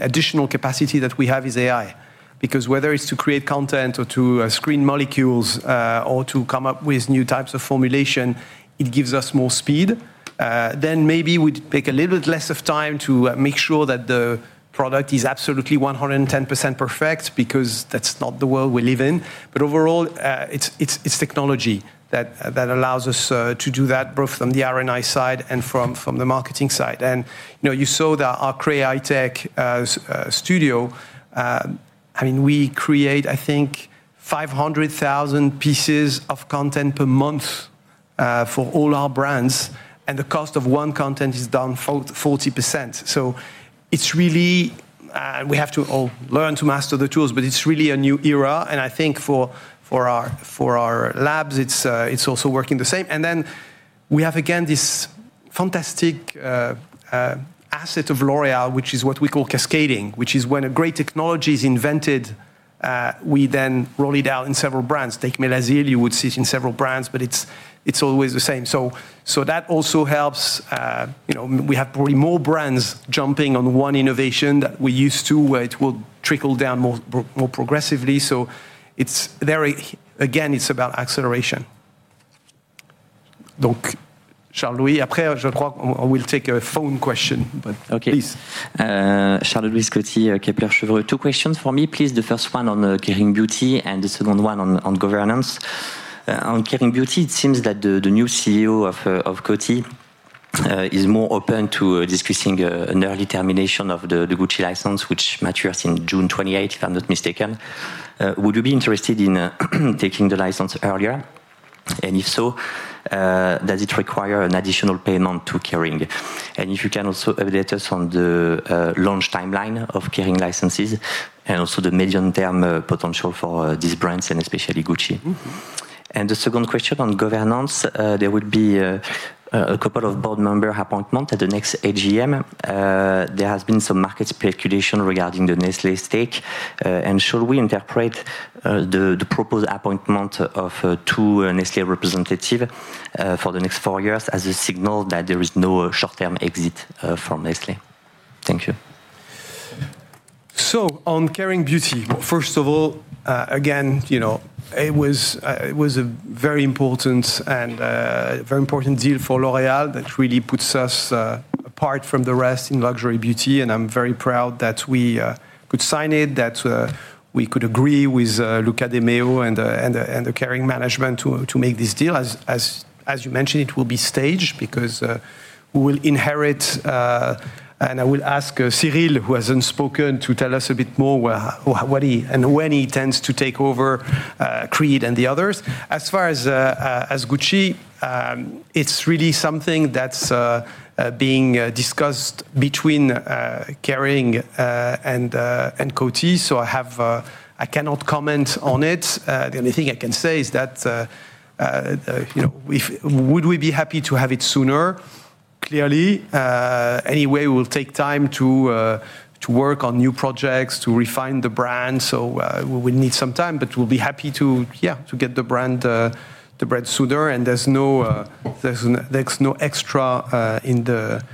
additional capacity that we have is AI. Because whether it's to create content or to screen molecules or to come up with new types of formulation, it gives us more speed. Then maybe we take a little bit less of time to make sure that the product is absolutely 110% perfect, because that's not the world we live in. But overall, it's technology that allows us to do that, both from the R&I side and from the marketing side. You know, you saw that our CREAITECH studio, I mean, we create, I think, 500,000 pieces of content per month for all our brands, and the cost of one content is down 40%. So it's really... we have to all learn to master the tools, but it's really a new era, and I think for our labs, it's also working the same. And then we have, again, this fantastic asset of L'Oréal, which is what we call cascading, which is when a great technology is invented, we then roll it out in several brands. Take Melasyl, you would see it in several brands, but it's always the same. So that also helps, you know, we have probably more brands jumping on one innovation than we used to, where it will trickle down more progressively. It's very, again, it's about acceleration. Donc, Charles-Louis Scotti, I will take a phone question, but please. Okay. Charles-Louis Scotti, Kepler Cheuvreux. Two questions for me, please. The first one on Kering Beauty, and the second one on governance. On Kering Beauty, it seems that the new CEO of Coty is more open to discussing an early termination of the Gucci license, which matures in June 2028, if I'm not mistaken. Would you be interested in taking the license earlier? And if so, does it require an additional payment to Kering? And if you can also update us on the launch timeline of Kering licenses and also the medium-term potential for these brands and especially Gucci. Mm-hmm. The second question on governance. There would be a couple of board member appointment at the next AGM. There has been some market speculation regarding the Nestlé stake. And should we interpret the proposed appointment of two Nestlé representative for the next four years as a signal that there is no short-term exit from Nestlé? Thank you. So on Kering Beauty, first of all, again, you know, it was, it was a very important and, very important deal for L'Oréal. That really puts us, apart from the rest in luxury beauty, and I'm very proud that we, could sign it, that, we could agree with, Luca de Meo and, and the, and the Kering management to, to make this deal. As you mentioned, it will be staged because, we will inherit... and I will ask Cyril, who hasn't spoken, to tell us a bit more where, what he and when he tends to take over, Creed and the others. As far as Gucci, it's really something that's being discussed between Kering and Coty, so I cannot comment on it. The only thing I can say is that, you know, would we be happy to have it sooner? Clearly. Anyway, we'll take time to work on new projects, to refine the brand. So, we will need some time, but we'll be happy to, yeah, to get the brand sooner, and there's no extra in the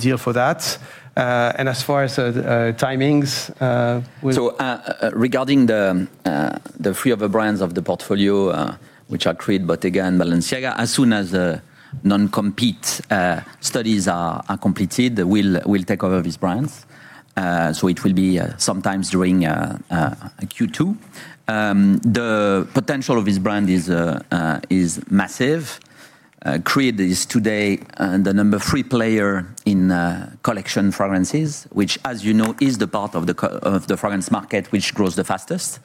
deal for that. And as far as timings, we- So, regarding the three other brands of the portfolio, which are Creed, Bottega, and Balenciaga, as soon as the non-compete studies are completed, we'll take over these brands. So it will be sometime during Q2. The potential of this brand is massive. Creed is today the number three player in collection fragrances, which, as you know, is the part of the core of the fragrance market, which grows the fastest.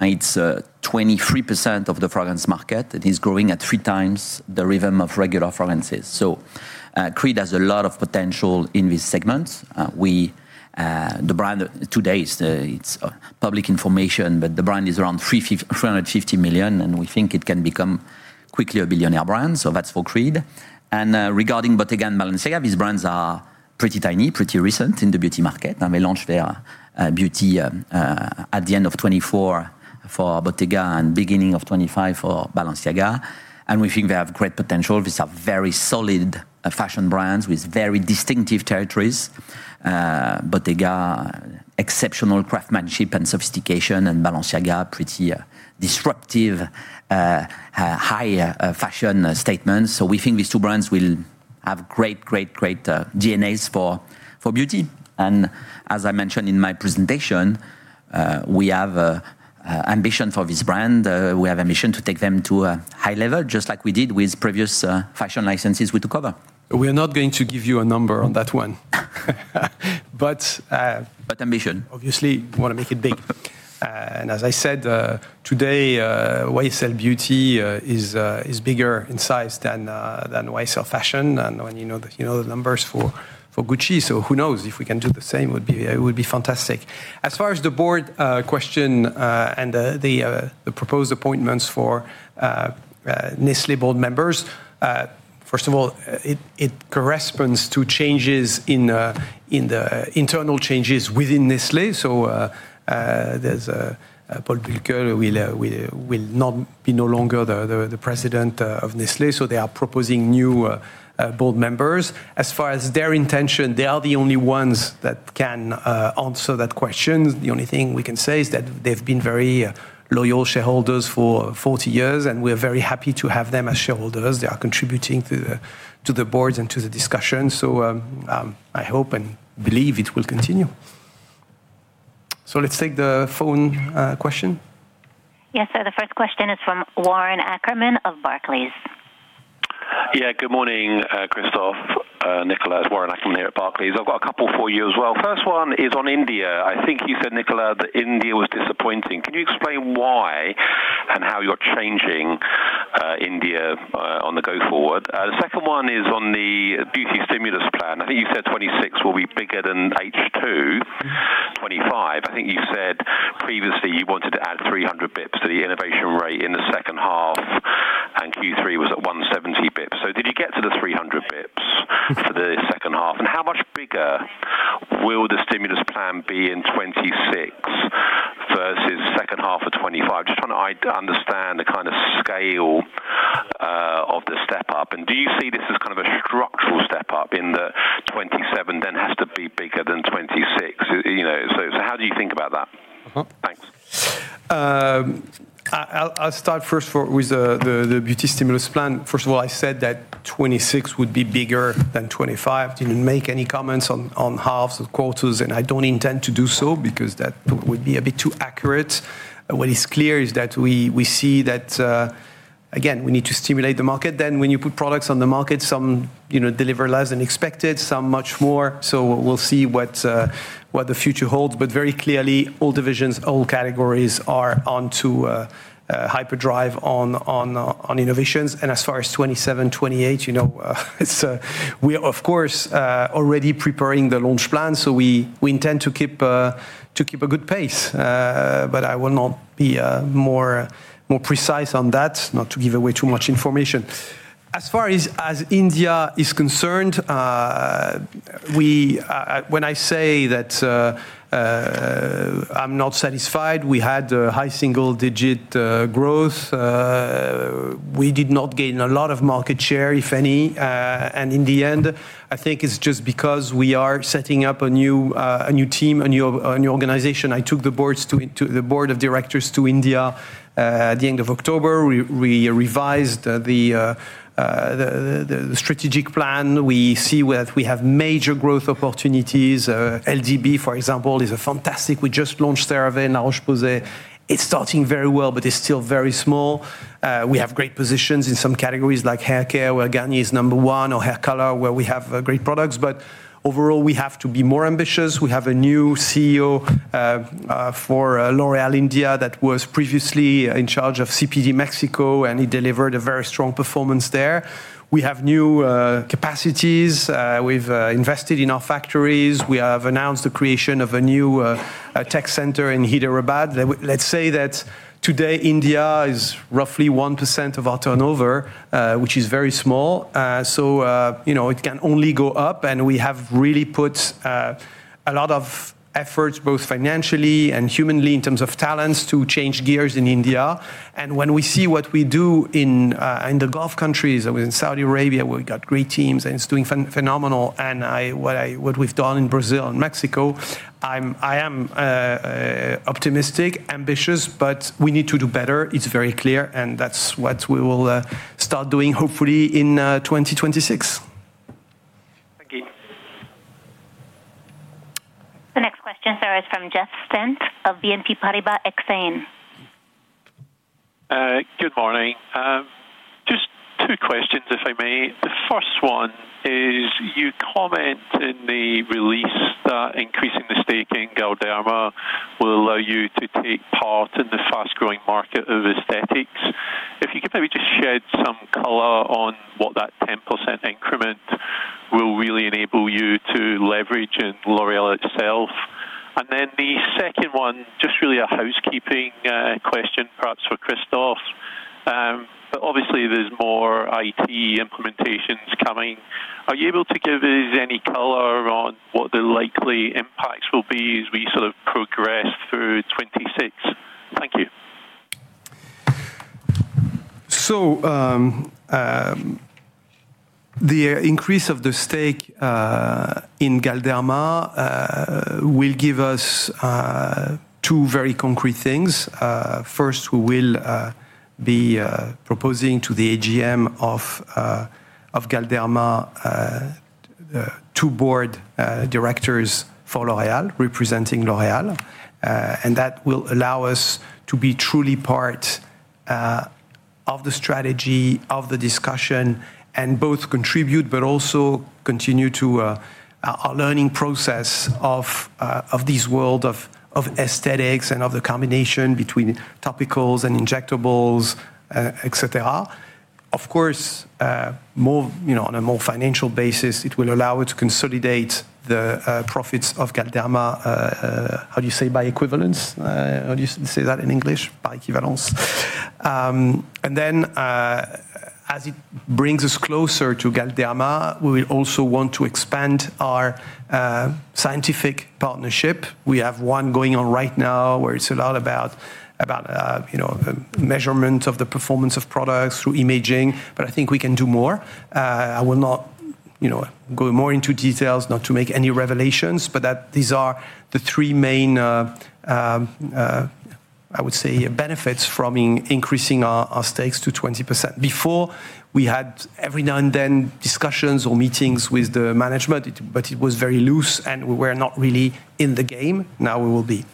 It's 23% of the fragrance market. It is growing at 3x the rate of regular fragrances. So, Creed has a lot of potential in this segment. The brand today is, it's public information, but the brand is around 350 million, and we think it can become quickly a EUR 1 billion brand. So that's for Creed. And regarding Bottega and Balenciaga, these brands are pretty tiny, pretty recent in the beauty market, and they launched their beauty at the end of 2024 for Bottega and beginning of 2025 for Balenciaga, and we think they have great potential. These are very solid fashion brands with very distinctive territories. Bottega, exceptional craftsmanship and sophistication, and Balenciaga, pretty disruptive high fashion statements. So we think these two brands will have great, great, great DNAs for beauty. And as I mentioned in my presentation, we have ambition for this brand. We have ambition to take them to a high level, just like we did with previous fashion licenses we took over. We are not going to give you a number on that one. But, But ambition. Obviously, we wanna make it big. As I said, today, YSL Beauty is bigger in size than YSL Fashion. When you know the numbers for Gucci, so who knows? If we can do the same, it would be fantastic. As far as the board question and the proposed appointments for Nestlé board members, first of all, it corresponds to changes in the internal changes within Nestlé. So, there's Paul Bulcke will not be no longer the president of Nestlé, so they are proposing new board members. As far as their intention, they are the only ones that can answer that question. The only thing we can say is that they've been very loyal shareholders for 40 years, and we're very happy to have them as shareholders. They are contributing to the boards and to the discussion, so I hope and believe it will continue. So let's take the phone question. Yes, sir. The first question is from Warren Ackerman of Barclays. Yeah, good morning, Christophe, Nicolas. Warren Ackerman here at Barclays. I've got a couple for you as well. First one is on India. I think you said, Nicolas, that India was disappointing. Can you explain why and how you're changing India on the go-forward? The second one is on the Beauty Stimulus Plan. I think you said 2026 will be bigger than H2 2025. I think you said previously you wanted to add 300 basis points to the innovation rate in the second half, and Q3 was at 170 basis points. So did you get to the 300 basis points for the second half? And how much bigger will the stimulus plan be in 2026 versus second half of 2025? Just trying to understand the kind of scale of the step-up. Do you see this as kind of a structural step-up in the 2027, then, has to be bigger than 2026? You know, so, so how do you think about that? Mm-hmm. Thanks. I'll start first with the Beauty Stimulus Plan. First of all, I said that 26 would be bigger than 25. Didn't make any comments on halves or quarters, and I don't intend to do so because that would be a bit too accurate. What is clear is that we see that again, we need to stimulate the market. Then, when you put products on the market, some, you know, deliver less than expected, some much more, so we'll see what the future holds. But very clearly, all divisions, all categories are onto hyperdrive on innovations. And as far as 27, 28, you know, it's... We are, of course, already preparing the launch plan, so we intend to keep a good pace. But I will not be more precise on that, not to give away too much information. As far as India is concerned, when I say that, I'm not satisfied, we had high single-digit growth, we did not gain a lot of market share, if any. And in the end, I think it's just because we are setting up a new team, a new organization. I took the board of directors to India at the end of October. We revised the strategic plan. We see where we have major growth opportunities. LDB, for example, is fantastic. We just launched CeraVe and La Roche-Posay. It's starting very well, but it's still very small. We have great positions in some categories like hair care, where Garnier is number one, or hair color, where we have great products. But overall, we have to be more ambitious. We have a new CEO for L'Oréal India that was previously in charge of CPD Mexico, and he delivered a very strong performance there. We have new capacities. We've invested in our factories. We have announced the creation of a new tech center in Hyderabad. Let's say that today, India is roughly 1% of our turnover, which is very small. So, you know, it can only go up, and we have really put a lot of efforts, both financially and humanly, in terms of talents, to change gears in India. When we see what we do in the Gulf countries and in Saudi Arabia, where we've got great teams, and it's doing phenomenal, and what we've done in Brazil and Mexico, I'm optimistic, ambitious, but we need to do better. It's very clear, and that's what we will start doing hopefully in 2026. Thank you. The next question, sir, is from Jeff Stent of BNP Paribas Exane. Good morning. Just two questions, if I may. The first one is, you comment in the release that increasing the stake in Galderma will allow you to take part in the fast-growing market of aesthetics. If you could maybe just shed some color on what that 10% increment will really enable you to leverage in L'Oréal itself? And then the second one, just really a housekeeping question. More IT implementations coming, are you able to give us any color on what the likely impacts will be as we sort of progress through 2026? Thank you. So, the increase of the stake in Galderma will give us two very concrete things. First, we will be proposing to the AGM of Galderma two board directors for L'Oréal, representing L'Oréal. And that will allow us to be truly part of the strategy, of the discussion, and both contribute but also continue to a learning process of this world of aesthetics and of the combination between topicals and injectables, et cetera. Of course, more—you know, on a more financial basis, it will allow it to consolidate the profits of Galderma by equivalence? How do you say that in English? By equivalence. Then, as it brings us closer to Galderma, we will also want to expand our scientific partnership. We have one going on right now, where it's a lot about, about, you know, measurement of the performance of products through imaging, but I think we can do more. I will not, you know, go more into details, not to make any revelations, but that these are the three main, I would say, benefits from increasing our stakes to 20%. Before, we had every now and then, discussions or meetings with the management, but it was very loose, and we were not really in the game. Now we will be.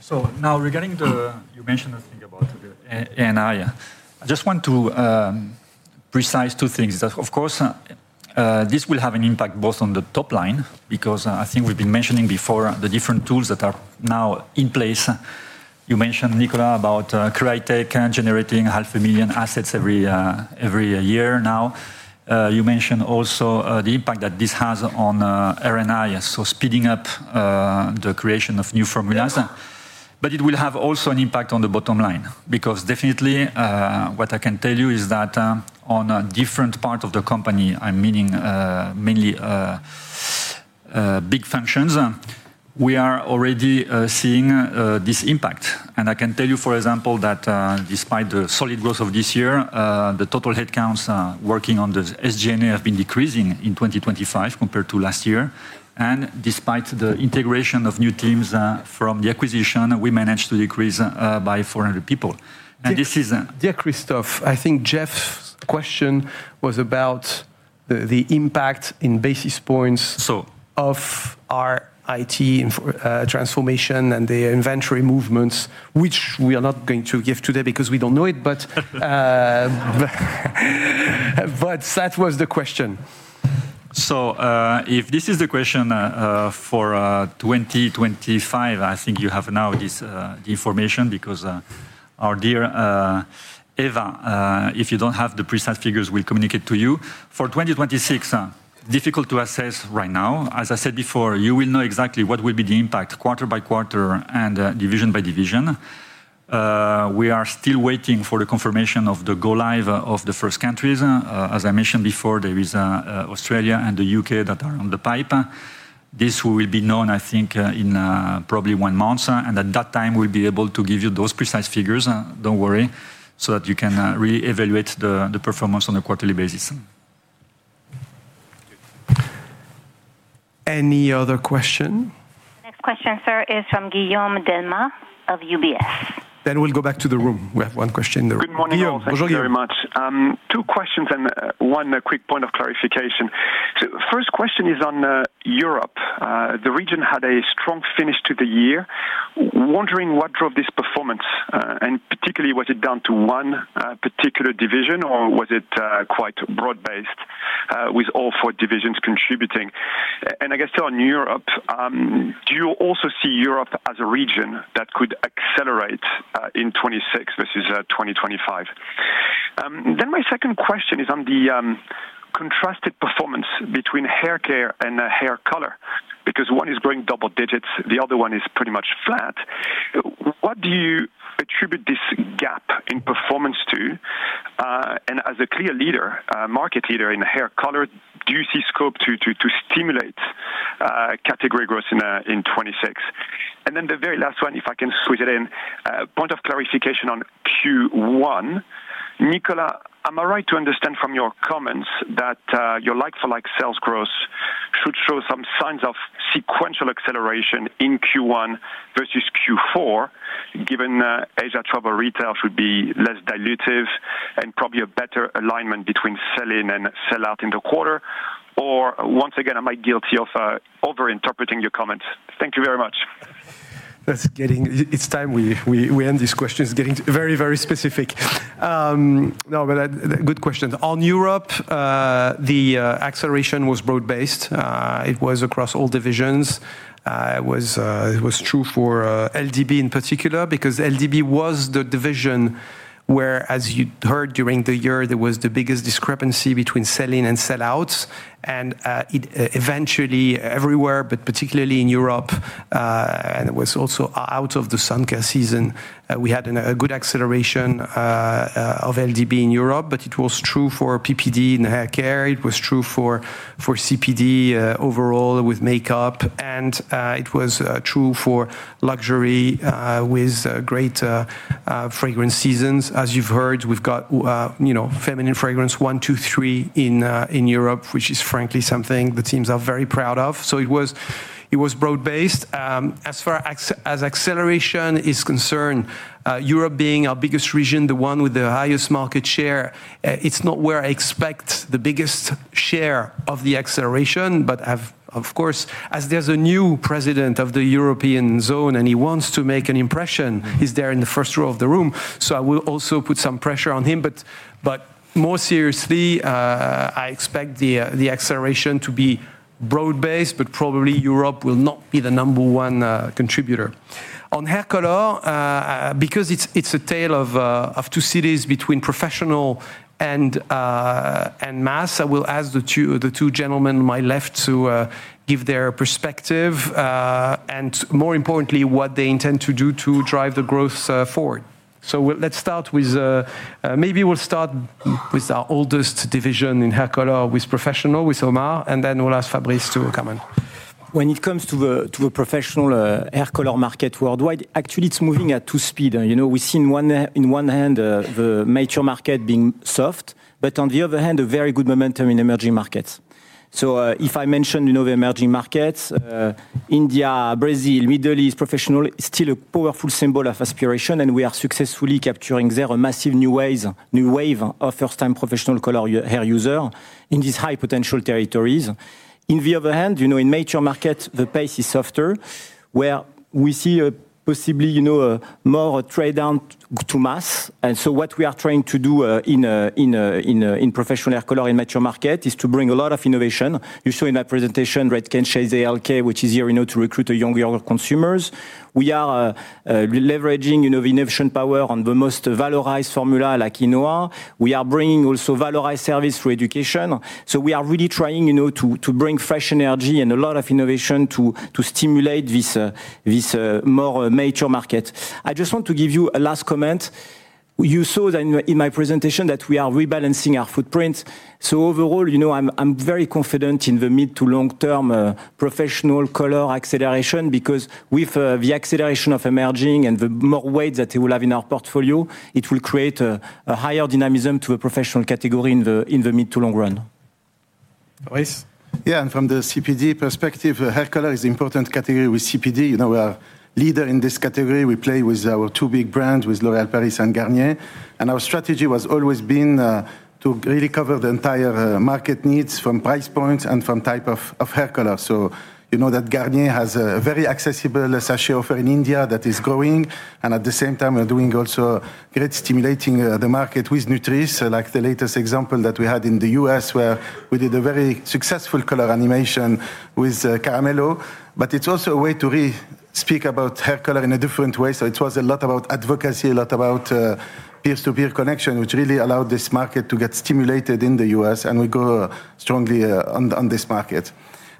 So now, regarding the—you mentioned the thing about the R&I. I just want to precise two things. That of course, this will have an impact both on the top line, because I think we've been mentioning before the different tools that are now in place. You mentioned, Nicolas, about CreaTech generating 500,000 assets every year now. You mentioned also the impact that this has on R&I, so speeding up the creation of new formulas. Yeah. But it will have also an impact on the bottom line, because definitely, what I can tell you is that, on a different part of the company, I mean, mainly, big functions, we are already seeing this impact. And I can tell you, for example, that, despite the solid growth of this year, the total headcounts working on the SG&A have been decreasing in 2025 compared to last year. And despite the integration of new teams, from the acquisition, we managed to decrease by 400 people. And this is- Dear Christophe, I think Jeff's question was about the impact in basis points. So- of our IT transformation and the inventory movements, which we are not going to give today because we don't know it, but that was the question. If this is the question, for 2025, I think you have now this, the information because, our dear, Eva, if you don't have the precise figures, we'll communicate to you. For 2026, difficult to assess right now. As I said before, you will know exactly what will be the impact quarter by quarter and, division by division. We are still waiting for the confirmation of the go live of the first countries. As I mentioned before, there is, Australia and the U.K. that are in the pipeline. This will be known, I think, in, probably one month, and at that time, we'll be able to give you those precise figures, don't worry, so that you can, reevaluate the performance on a quarterly basis. Any other question? Next question, sir, is from Guillaume Delmas of UBS. Then we'll go back to the room. We have one question attribute this gap in performance to? And as a clear leader, market leader in hair color, do you see scope to stimulate category growth in 2026? And then the very last one, if I can switch it in, point of clarification on Q1. Nicolas, am I right to understand from your comments that your like-for-like sales growth should show some signs of sequential acceleration in Q1 versus Q4, given that Asia travel retail should be less dilutive and probably a better alignment between sell-in and sell-out in the quarter? Or once again, am I guilty of overinterpreting your comments? Thank you very much. That's getting it. It's time we end these questions, getting very, very specific. No, but good questions. On Europe, the acceleration was broad-based. It was across all divisions. It was true for LDB in particular, because LDB was the division where, as you'd heard during the year, there was the biggest discrepancy between sell-in and sell-outs. And it eventually everywhere, but particularly in Europe, and it was also out of the sun care season, we had a good acceleration of LDB in Europe, but it was true for PPD in hair care. It was true for CPD overall with makeup, and it was true for luxury with great fragrance seasons. As you've heard, we've got, you know, feminine fragrance one, two, three in, in Europe, which is frankly something the teams are very proud of. So it was, it was broad-based. As far as, as acceleration is concerned, Europe being our biggest region, the one with the highest market share, it's not where I expect the biggest share of the acceleration. But of, of course, as there's a new president of the European zone, and he wants to make an impression, he's there in the first row of the room, so I will also put some pressure on him. But, but more seriously, I expect the, the acceleration to be broad-based, but probably Europe will not be the number one, contributor. On hair color, because it's, it's a tale of, of two cities between professional and, and mass, I will ask the two, the two gentlemen on my left to, give their perspective, and more importantly, what they intend to do to drive the growth, forward. So let's start with, maybe we'll start with our oldest division in hair color, with professional, with Omar, and then we'll ask Fabrice to come in. When it comes to the professional hair color market worldwide, actually, it's moving at two speed. You know, we've seen on one hand, on the other hand, the mature market being soft, but on the other hand, a very good momentum in emerging markets. So, if I mention, you know, the emerging markets, India, Brazil, Middle East, professional is still a powerful symbol of aspiration, and we are successfully capturing there a massive new wave of first-time professional color hair user in these high potential territories. On the other hand, you know, in mature markets, the pace is softer, where we see possibly, you know, a more trade down to mass. And so what we are trying to do in professional hair color in mature market is to bring a lot of innovation. You saw in my presentation, Redken Shades EQ, which is here, you know, to recruit the younger consumers. We are leveraging, you know, the innovation power on the most valorized formula, like Inoa. We are bringing also valorized service through education. So we are really trying, you know, to bring fresh energy and a lot of innovation to stimulate this more mature market. I just want to give you a last comment. You saw that in my presentation, that we are rebalancing our footprint. So overall, you know, I'm very confident in the mid- to long-term professional color acceleration, because with the acceleration of emerging and the more weight that it will have in our portfolio, it will create a higher dynamism to a professional category in the mid- to long run. Fabrice? Yeah, and from the CPD perspective, hair color is important category with CPD. You know, we are leader in this category. We play with our two big brands, with L'Oréal Paris and Garnier, and our strategy has always been to really cover the entire market needs from price points and from type of hair color. So you know that Garnier has a very accessible sachet offer in India that is growing, and at the same time, we're doing also great stimulating the market with Nutrisse. Like the latest example that we had in the U.S., where we did a very successful color animation with D'Amelio. But it's also a way to re-speak about hair color in a different way. So it was a lot about advocacy, a lot about peer-to-peer connection, which really allowed this market to get stimulated in the U.S., and we go strongly on this market.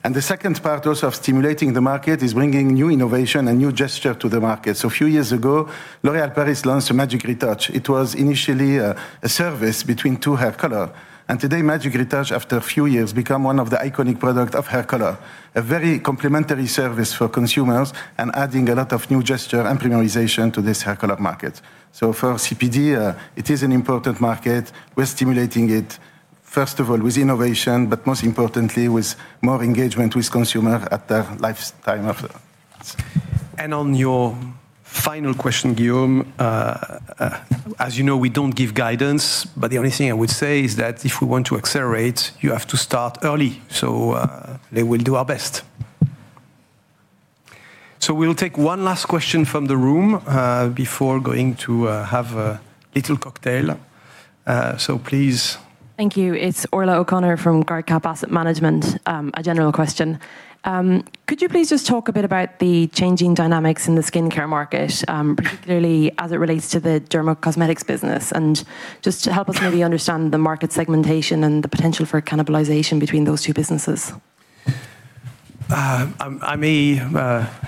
The second part of stimulating the market is bringing new innovation and new gesture to the market. So a few years ago, L'Oréal Paris launched Magic Retouch. It was initially a service between two hair color, and today, Magic Retouch, after a few years, become one of the iconic product of hair color, a very complimentary service for consumers and adding a lot of new gesture and premiumization to this hair color market. So for CPD, it is an important market. We're stimulating it, first of all, with innovation, but most importantly, with more engagement with consumer at the lifetime of it. On your final question, Guillaume, as you know, we don't give guidance, but the only thing I would say is that if we want to accelerate, you have to start early. We will do our best. We'll take one last question from the room before going to have a little cocktail. So please. Thank you. It's Orlaith O'Connor from GuardCap Asset Management. A general question. Could you please just talk a bit about the changing dynamics in the skincare market, particularly as it relates to the dermacosmetics business? And just to help us maybe understand the market segmentation and the potential for cannibalization between those two businesses. I may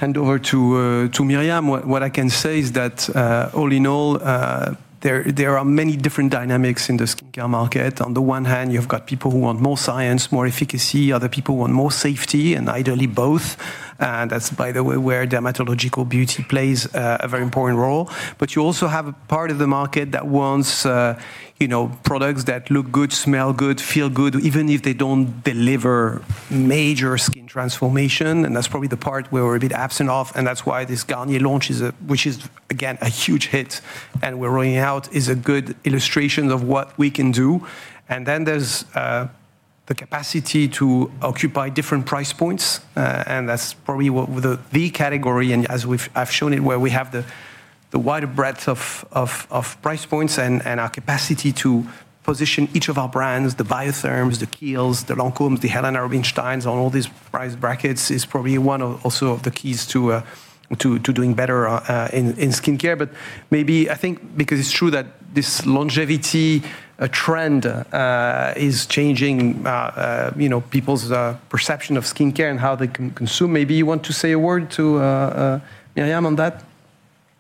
hand over to to Myriam. What I can say is that, all in all, there are many different dynamics in the skincare market. On the one hand, you've got people who want more science, more efficacy, other people want more safety, and ideally both. And that's, by the way, where dermatological beauty plays a very important role. But you also have a part of the market that wants, you know, products that look good, smell good, feel good, even if they don't deliver major skin transformation, and that's probably the part where we're a bit absent of, and that's why this Garnier launch is a—which is, again, a huge hit, and we're rolling out, is a good illustration of what we can do. And then there's... the capacity to occupy different price points, and that's probably what the category, and as I've shown it, where we have the wider breadth of price points and our capacity to position each of our brands, the Biotherm, the Kiehl's, the Lancôme, the Helena Rubinstein, on all these price brackets, is probably one also of the keys to doing better in skincare. But maybe I think because it's true that this longevity trend is changing, you know, people's perception of skincare and how they can consume, maybe you want to say a word to Myriam, on that?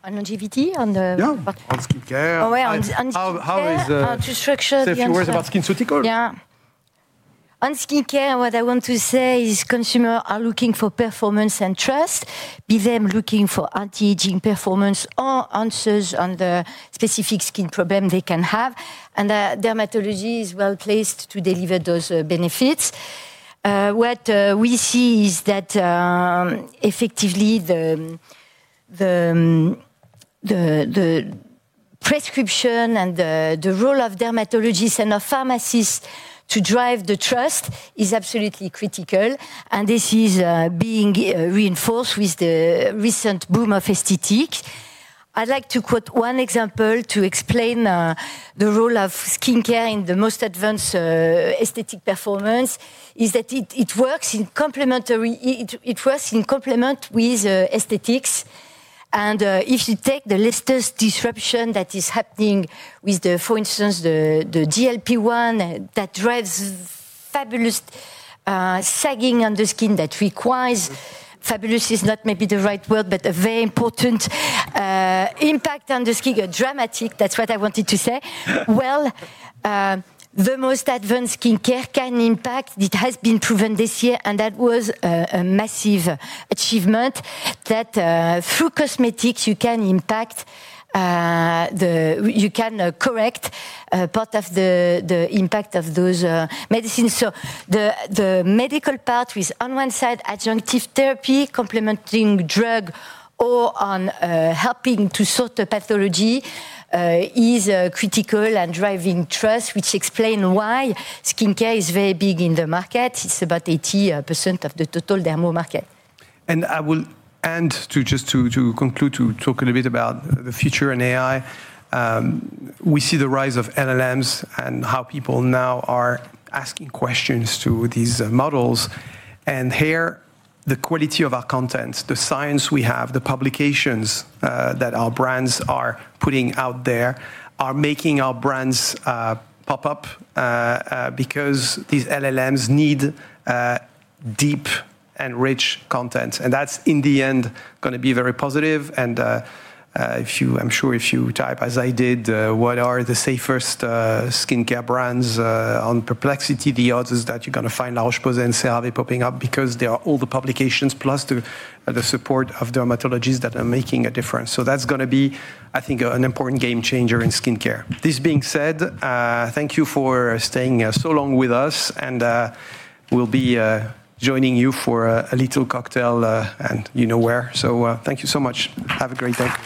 On longevity? Yeah, on skincare. Oh, yeah, on skincare- How is the- How to structure the answer. Say a few words about SkinCeuticals. Yeah. On skincare, what I want to say is consumers are looking for performance and trust, whether they're looking for anti-aging performance or answers to the specific skin problem they can have, and dermatology is well placed to deliver those benefits. What we see is that effectively the prescription and the role of dermatologists and of pharmacists to drive the trust is absolutely critical, and this is being reinforced with the recent boom of aesthetics. I'd like to quote one example to explain the role of skincare in the most advanced aesthetic performance: it works in complement with aesthetics. If you take the latest disruption that is happening with, for instance, the GLP-1 that drives fabulous sagging on the skin, that requires fabulous is not maybe the right word, but a very important impact on the skin. Dramatic, that's what I wanted to say. Well, the most advanced skincare can impact, it has been proven this year, and that was a massive achievement, that through cosmetics, you can impact the. You can correct part of the impact of those medicines. So the medical part with on one side, adjunctive therapy, complementing drug or on helping to sort the pathology is critical and driving trust, which explain why skincare is very big in the market. It's about 80% of the total dermo market. I will end just to conclude, to talk a little bit about the future and AI. We see the rise of LLMs and how people now are asking questions to these models. And here, the quality of our content, the science we have, the publications that our brands are putting out there, are making our brands pop up because these LLMs need deep and rich content. And that's in the end gonna be very positive, and if you, I'm sure if you type, as I did, "What are the safest skincare brands on Perplexity?" The odds is that you're gonna find La Roche-Posay and CeraVe popping up because there are all the publications plus the support of dermatologists that are making a difference. So that's gonna be, I think, an important game changer in skincare. This being said, thank you for staying so long with us, and we'll be joining you for a little cocktail, and you know where. Thank you so much. Have a great day.